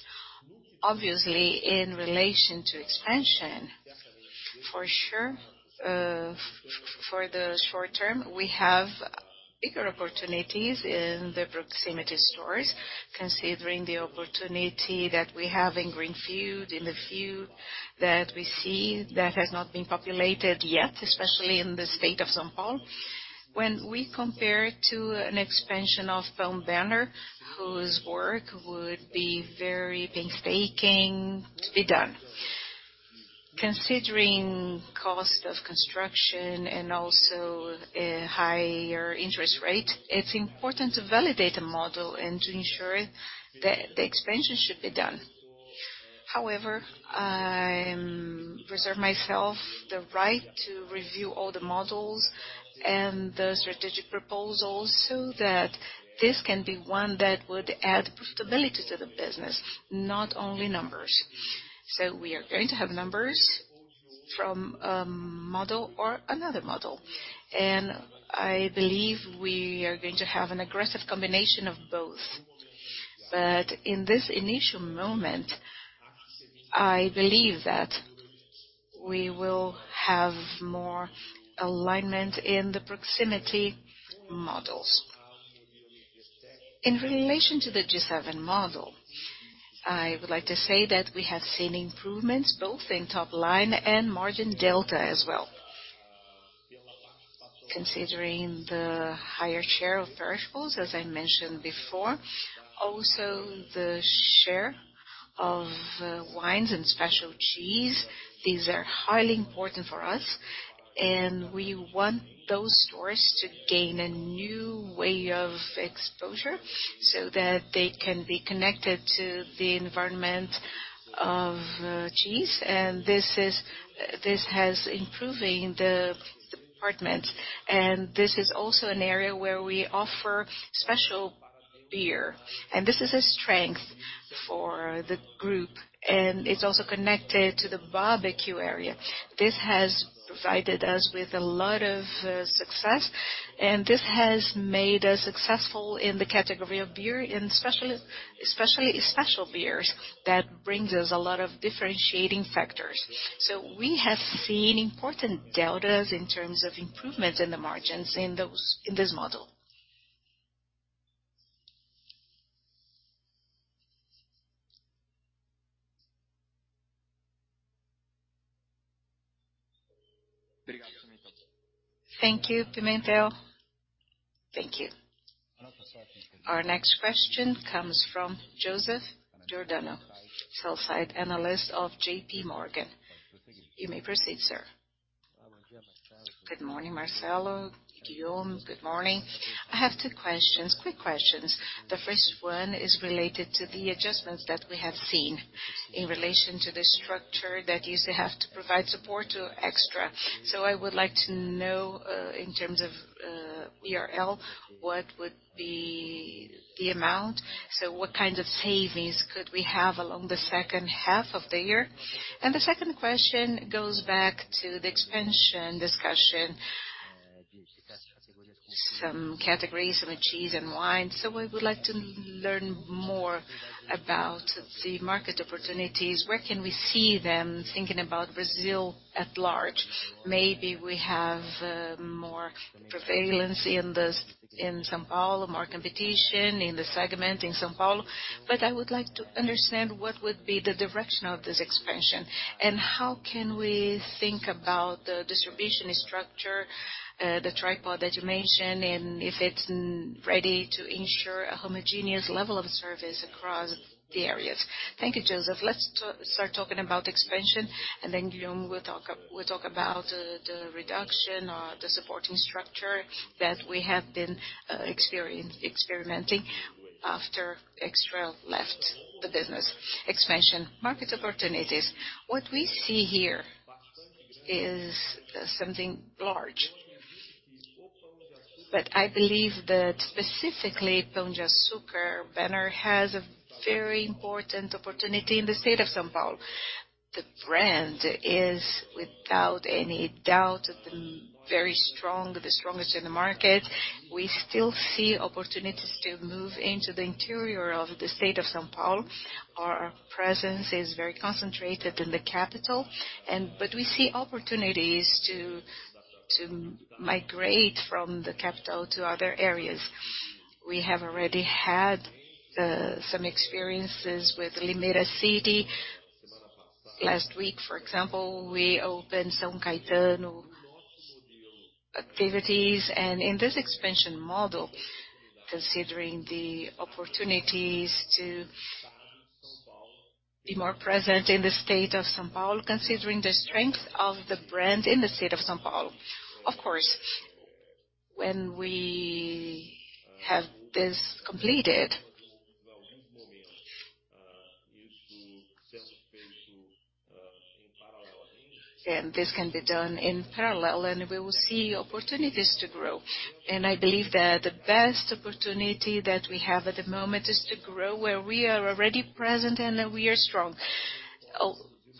Obviously, in relation to expansion, for sure, for the short term, we have bigger opportunities in the Proximity stores, considering the opportunity that we have in Greenfield, in the field that we see that has not been populated yet, especially in the state of São Paulo. When we compare to an expansion of PdA banner, whose work would be very painstaking to be done. Considering cost of construction and also a higher interest rate, it's important to validate a model and to ensure that the expansion should be done. However, I reserve myself the right to review all the models and the strategic proposals so that this can be one that would add profitability to the business, not only numbers. We are going to have numbers from model or another model, and I believe we are going to have an aggressive combination of both. In this initial moment, I believe that we will have more alignment in the Proximity models. In relation to the G7 model, I would like to say that we have seen improvements both in top line and margin delta as well. Considering the higher share of perishables, as I mentioned before, also the share of wines and special cheese, these are highly important for us, and we want those stores to gain a new way of exposure so that they can be connected to the environment of cheese. This has improving the department. This is also an area where we offer special beer, and this is a strength for the group, and it's also connected to the barbecue area. This has provided us with a lot of success, and this has made us successful in the category of beer, and especially special beers that brings us a lot of differentiating factors. We have seen important deltas in terms of improvements in the margins in this model. Thank you, Pimentel. Thank you. Our next question comes from Joseph Giordano, Sell-Side Analyst of JPMorgan. You may proceed, sir. Good morning, Marcelo. Guillaume, good morning. I have two questions, quick questions. The first one is related to the adjustments that we have seen in relation to the structure that you used to have to provide support to Extra. I would like to know, in terms of P&L, what would be the amount. What kind of savings could we have along the second half of the year? The second question goes back to the expansion discussion. Some categories, some cheese and wine. We would like to learn more about the market opportunities. Where can we see them thinking about Brazil at large? Maybe we have more prevalence in this, in São Paulo, more competition in the segment in São Paulo. I would like to understand what would be the direction of this expansion, and how can we think about the distribution structure, the tripod that you mentioned, and if it's ready to ensure a homogeneous level of service across the areas. Thank you, Joseph. Let's start talking about expansion, and then Guillaume will talk about the reduction or the supporting structure that we have been experimenting after Extra left the business. Expansion, market opportunities. What we see here is something large. I believe that specifically Pão de Açúcar banner has a very important opportunity in the state of São Paulo. The brand is without any doubt the strongest in the market. We still see opportunities to move into the interior of the state of São Paulo. Our presence is very concentrated in the capital but we see opportunities to migrate from the capital to other areas. We have already had some experiences with Limeira City. Last week, for example, we opened São Caetano activities. In this expansion model, considering the opportunities to be more present in the state of São Paulo, considering the strength of the brand in the state of São Paulo. Of course, when we have this completed. This can be done in parallel, and we will see opportunities to grow. I believe that the best opportunity that we have at the moment is to grow where we are already present, and we are strong.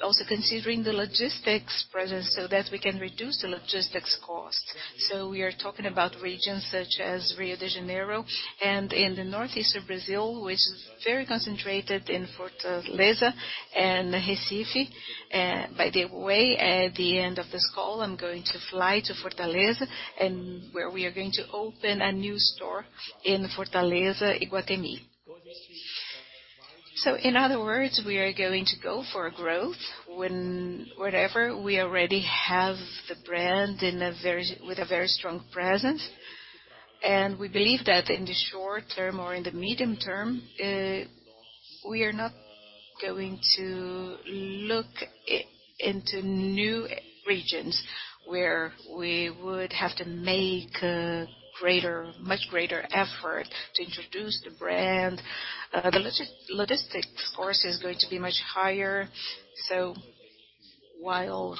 Also considering the logistics presence so that we can reduce the logistics cost. We are talking about regions such as Rio de Janeiro and in the northeast of Brazil, which is very concentrated in Fortaleza and Recife. By the way, at the end of this call, I'm going to fly to Fortaleza, where we are going to open a new store in Fortaleza, Iguatemi. In other words, we are going to go for growth wherever we already have the brand with a very strong presence. We believe that in the short term or in the medium term, we are not going to look into new regions where we would have to make a greater, much greater effort to introduce the brand. The logistics cost is going to be much higher. While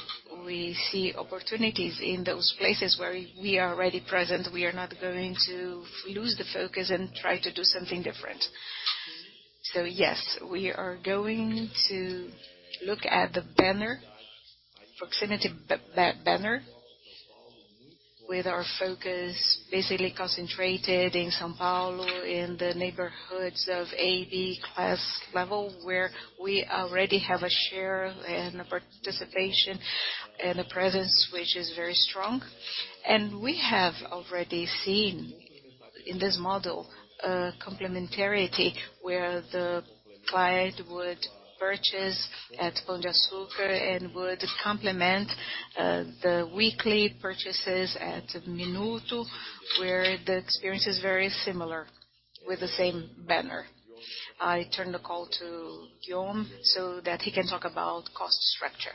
we see opportunities in those places where we are already present, we are not going to lose the focus and try to do something different. Yes, we are going to look at the banner, proximity banner, with our focus basically concentrated in São Paulo, in the neighborhoods of AB class level, where we already have a share and a participation and a presence which is very strong. We have already seen in this model, complementarity, where the client would purchase at Pão de Açúcar and would complement the weekly purchases at Minuto, where the experience is very similar with the same banner. I turn the call to Guillaume so that he can talk about cost structure.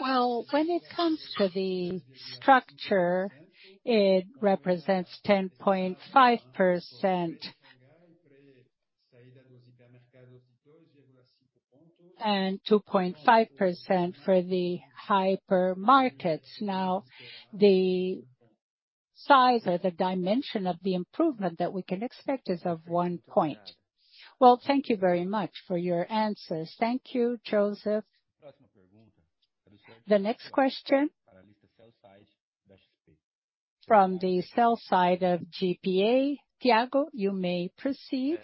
Well, when it comes to the structure, it represents 10.5%. 2.5% for the hypermarkets. Now, the size or the dimension of the improvement that we can expect is 1 point. Well, thank you very much for your answers. Thank you, Joseph. The next question from the sell-side of GPA. Thiago, you may proceed.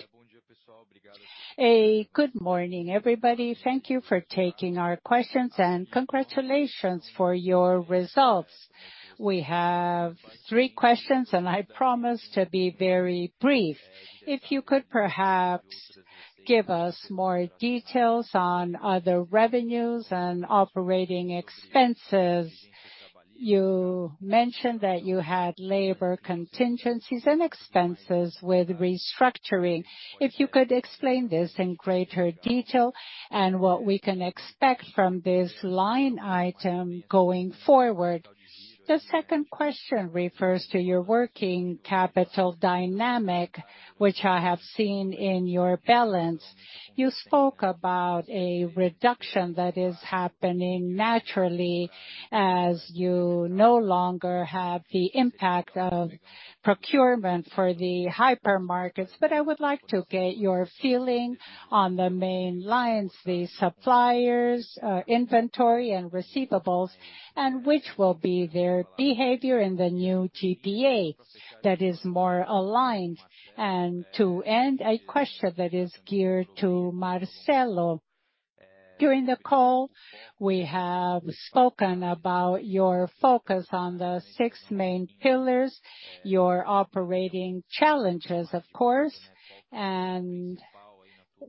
Good morning, everybody. Thank you for taking our questions, and congratulations for your results. We have three questions, and I promise to be very brief. If you could perhaps give us more details on other revenues and operating expenses. You mentioned that you had labor contingencies and expenses with restructuring. If you could explain this in greater detail and what we can expect from this line item going forward. The second question refers to your working capital dynamic, which I have seen in your balance sheet. You spoke about a reduction that is happening naturally as you no longer have the impact of procurement for the hypermarkets. I would like to get your feeling on the main lines, the suppliers, inventory and receivables, and which will be their behavior in the new GPA that is more aligned. To end, a question that is geared to Marcelo. During the call, we have spoken about your focus on the six main pillars, your operating challenges, of course.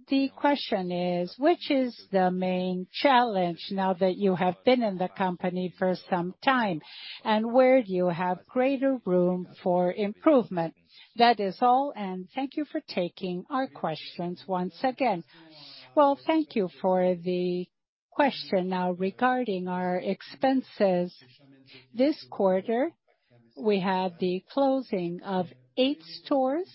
The question is, which is the main challenge now that you have been in the company for some time, and where do you have greater room for improvement? That is all, and thank you for taking our questions once again. Well, thank you for the question. Now, regarding our expenses, this quarter we had the closing of eight stores.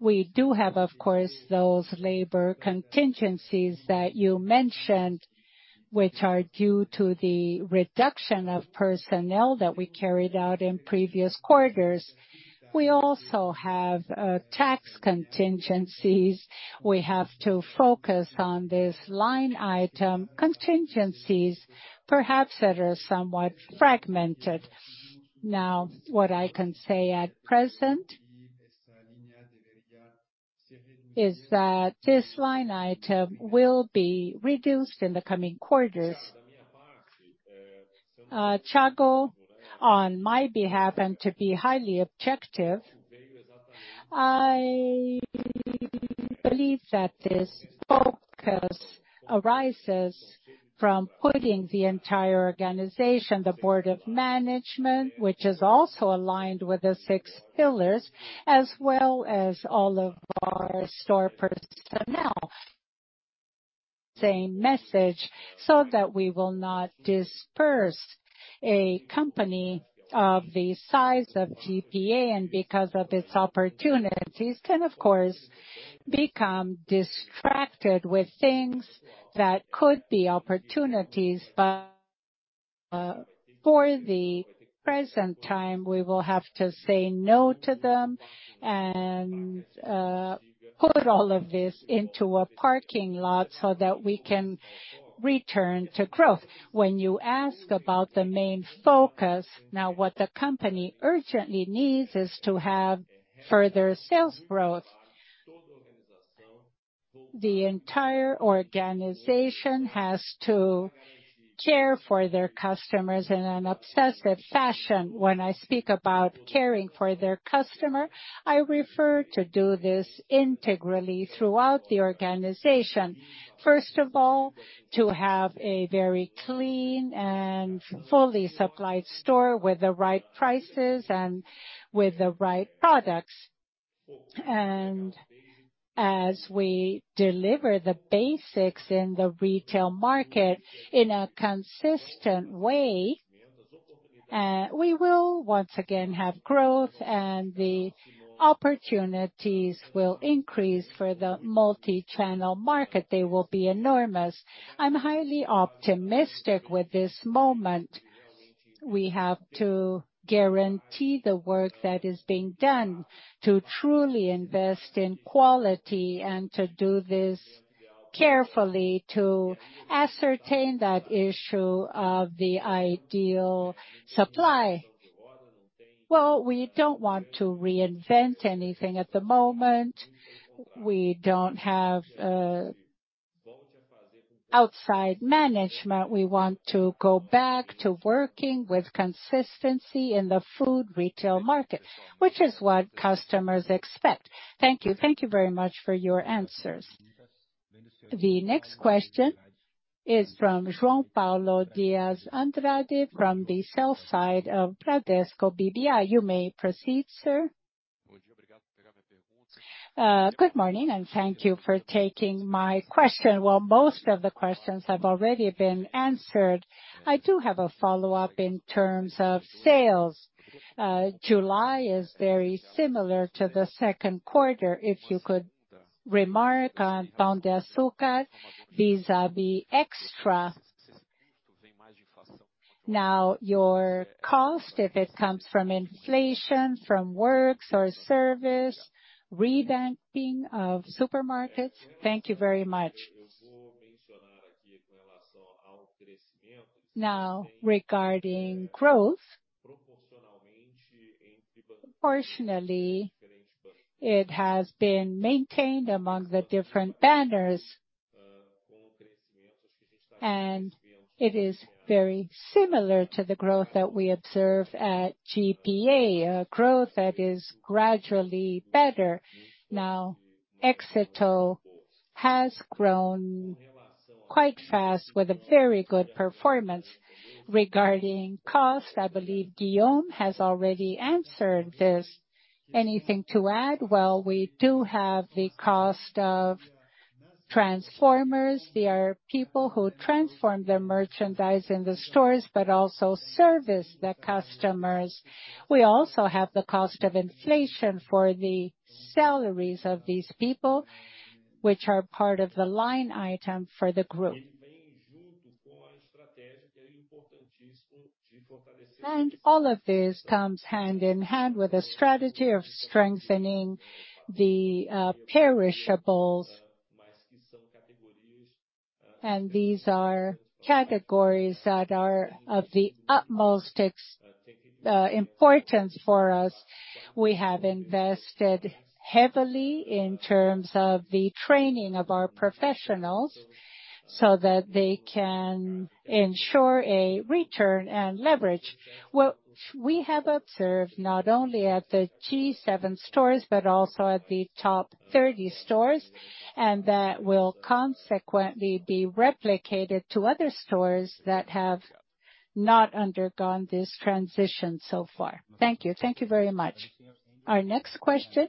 We do have, of course, those labor contingencies that you mentioned, which are due to the reduction of personnel that we carried out in previous quarters. We also have tax contingencies. We have to focus on this line item contingencies perhaps that are somewhat fragmented. Now, what I can say at present is that this line item will be reduced in the coming quarters. Thiago, on my behalf and to be highly objective, I believe that this focus arises from putting the entire organization, the board of management, which is also aligned with the six pillars, as well as all of our store personnel. Same message, so that we will not disperse a company of the size of GPA and because of its opportunities can of course become distracted with things that could be opportunities. For the present time, we will have to say no to them and put all of this into a parking lot so that we can return to growth. When you ask about the main focus, now what the company urgently needs is to have further sales growth. The entire organization has to care for their customers in an obsessive fashion. When I speak about caring for their customer, I refer to do this integrally throughout the organization. First of all, to have a very clean and fully supplied store with the right prices and with the right products. As we deliver the basics in the retail market in a consistent way, we will once again have growth and the opportunities will increase for the multi-channel market. They will be enormous. I'm highly optimistic with this moment. We have to guarantee the work that is being done to truly invest in quality and to do this carefully to ascertain that issue of the ideal supply. Well, we don't want to reinvent anything at the moment. We don't have outside management. We want to go back to working with consistency in the food retail market, which is what customers expect. Thank you. Thank you very much for your answers. The next question is from João Paulo Dias Andrade from the sell-side of Bradesco BBI. You may proceed, sir. Good morning and thank you for taking my question. While most of the questions have already been answered, I do have a follow-up in terms of sales. July is very similar to the second quarter. If you could remark on Pão de Açúcar vis-à-vis Extra. Now, your cost, if it comes from inflation, from works or service, revamping of supermarkets. Thank you very much. Now, regarding growth, proportionally it has been maintained among the different banners. It is very similar to the growth that we observe at GPA, a growth that is gradually better. Now, Éxito has grown quite fast with a very good performance. Regarding cost, I believe Guillaume has already answered this. Anything to add? Well, we do have the cost of promoters. They are people who promote the merchandise in the stores but also service the customers. We also have the cost of inflation for the salaries of these people, which are part of the line item for the group. All of this comes hand in hand with a strategy of strengthening the perishables. These are categories that are of the utmost importance for us. We have invested heavily in terms of the training of our professionals so that they can ensure a return and leverage what we have observed, not only at the G7 stores, but also at the Top 30 stores, and that will consequently be replicated to other stores that have not undergone this transition so far. Thank you. Thank you very much. Our next question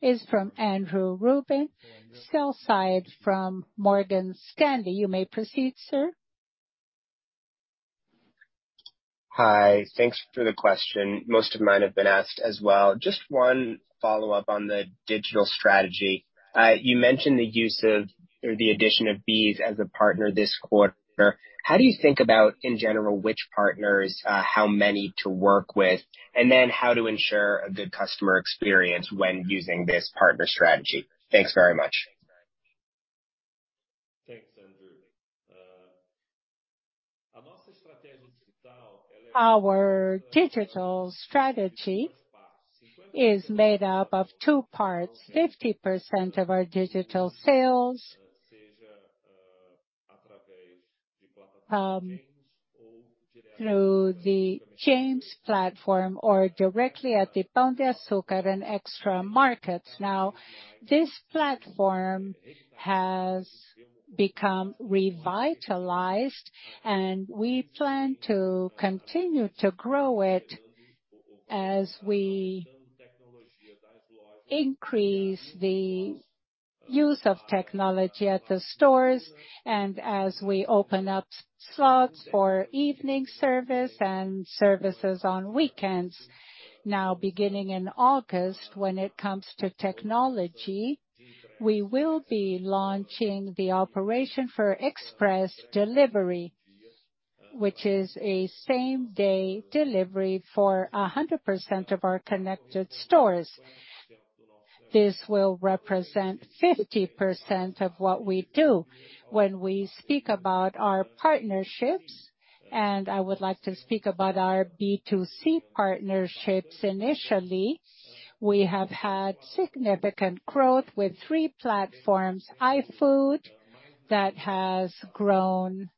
is from Andrew Ruben, Sell-Side from Morgan Stanley. You may proceed, sir. Hi. Thanks for the question. Most of mine have been asked as well. Just one follow-up on the digital strategy. You mentioned the use of or the addition of BEES as a partner this quarter. How do you think about, in general, which partners, how many to work with, and then how to ensure a good customer experience when using this partner strategy? Thanks very much. Thanks, Andrew. Our digital strategy is made up of two parts: 50% of our digital sales through the James platform or directly at the Pão de Açúcar and Extra markets. Now, this platform has become revitalized, and we plan to continue to grow it as we increase the use of technology at the stores and as we open up slots for evening service and services on weekends. Now, beginning in August, when it comes to technology, we will be launching the operation for express delivery, which is a same-day delivery for 100% of our connected stores. This will represent 50% of what we do when we speak about our partnerships, and I would like to speak about our B2C partnerships initially. We have had significant growth with three platforms: iFood, that has grown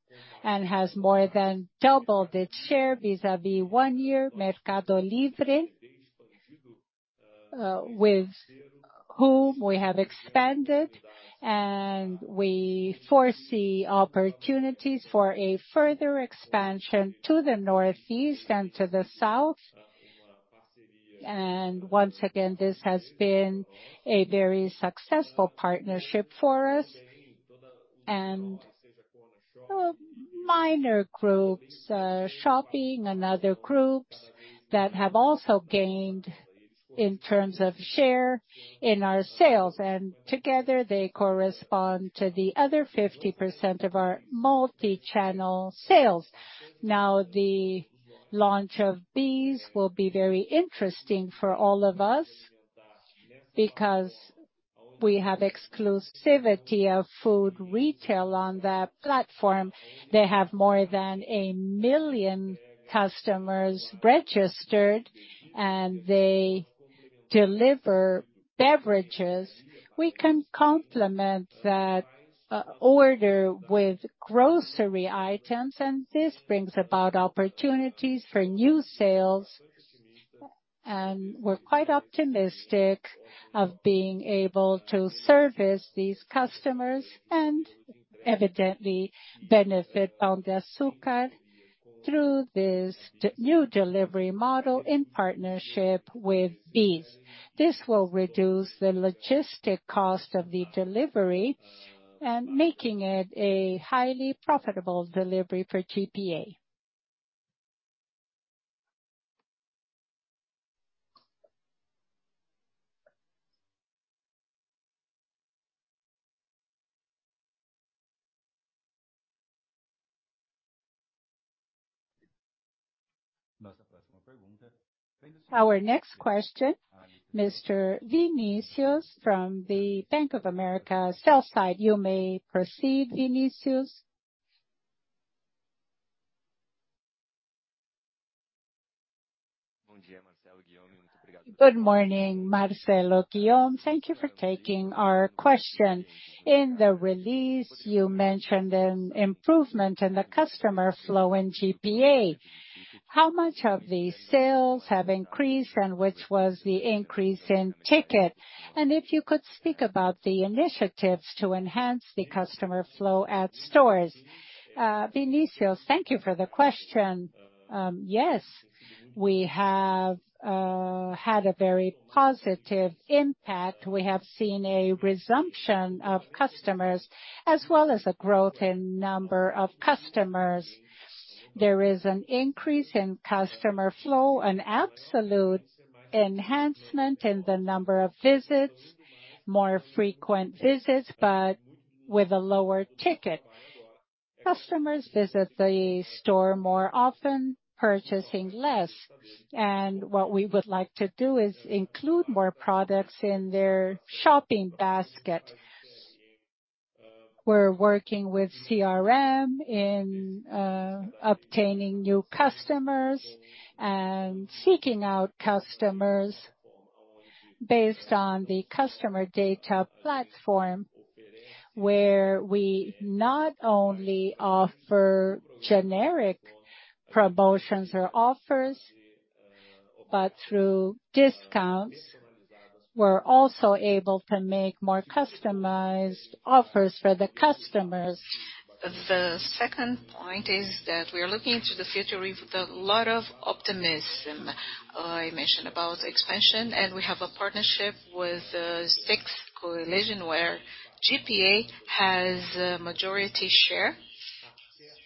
and has more than doubled its share vis-à-vis one year; Mercado Livre, with whom we have expanded, and we foresee opportunities for a further expansion to the Northeast and to the South. Once again, this has been a very successful partnership for us. Minor groups, shopping and other groups that have also gained in terms of share in our sales. Together, they correspond to the other 50% of our multi-channel sales. Now, the launch of BEES will be very interesting for all of us because we have exclusivity of food retail on that platform. They have more than 1 million customers registered, and they deliver beverages. We can complement that order with grocery items, and this brings about opportunities for new sales. We're quite optimistic of being able to service these customers and evidently benefit Pão de Açúcar through this new delivery model in partnership with BEES. This will reduce the logistics cost of the delivery and making it a highly profitable delivery for GPA. Our next question, Mr. Vinicius from the Bank of America sell-side. You may proceed, Vinicius. Good morning, Marcelo, Guillaume. Thank you for taking our question. In the release, you mentioned an improvement in the customer flow in GPA. How much of the sales have increased, and which was the increase in ticket? And if you could speak about the initiatives to enhance the customer flow at stores. Vinicius, thank you for the question. Yes, we have had a very positive impact. We have seen a resumption of customers, as well as a growth in number of customers. There is an increase in customer flow, an absolute enhancement in the number of visits, more frequent visits, but with a lower ticket. Customers visit the store more often, purchasing less. What we would like to do is include more products in their shopping basket. We're working with CRM in obtaining new customers and seeking out customers based on the customer data platform, where we not only offer generic promotions or offers, but through discounts, we're also able to make more customized offers for the customers. The second point is that we are looking to the future with a lot of optimism. I mentioned about expansion, and we have a partnership with Stix coalition, where GPA has a majority share,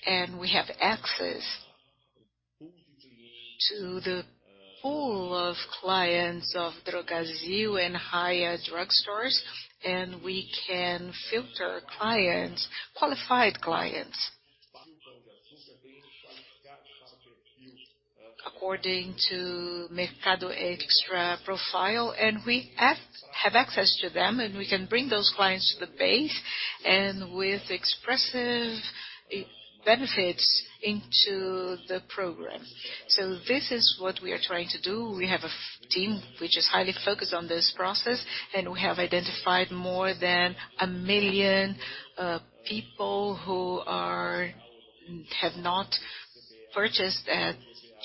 and we have access to the pool of clients of Drogasil and Raia Drogasil, and we can filter clients, qualified clients according to Mercado Extra profile, and we have access to them, and we can bring those clients to the base and with expressive benefits into the program. This is what we are trying to do. We have a team which is highly focused on this process, and we have identified more than 1 million people who have not purchased at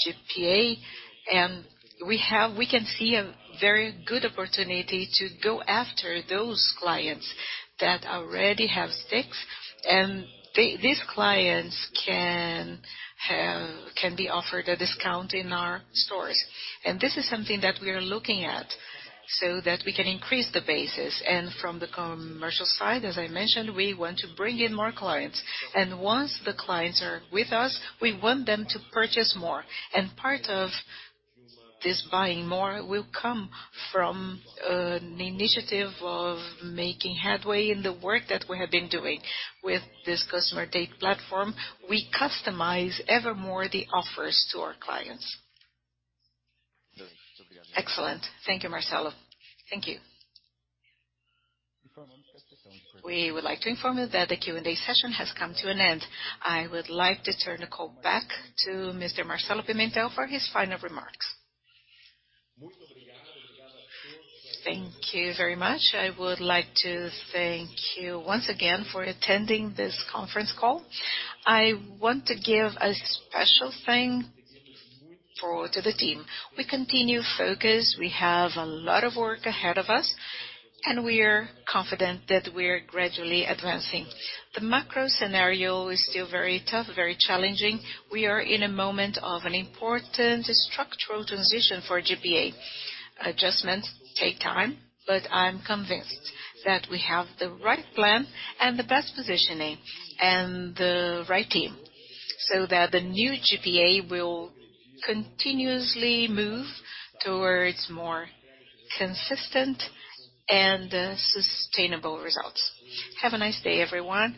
GPA. We can see a very good opportunity to go after those clients that already have Stix, and these clients can be offered a discount in our stores. This is something that we are looking at so that we can increase the base. From the commercial side, as I mentioned, we want to bring in more clients. Once the clients are with us, we want them to purchase more. Part of this buying more will come from an initiative of making headway in the work that we have been doing with this customer data platform. We customize even more the offers to our clients. Excellent. Thank you, Marcelo. Thank you. We would like to inform you that the Q&A session has come to an end. I would like to turn the call back to Mr. Marcelo Pimentel for his final remarks. Thank you very much. I would like to thank you once again for attending this conference call. I want to give a special thanks to the team. We continue to focus. We have a lot of work ahead of us, and we are confident that we are gradually advancing. The macro scenario is still very tough, very challenging. We are in a moment of an important structural transition for GPA. Adjustments take time, but I'm convinced that we have the right plan and the best positioning and the right team so that the new GPA will continuously move towards more consistent and sustainable results. Have a nice day, everyone,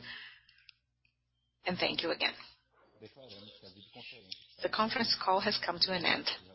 and thank you again. The conference call has come to an end.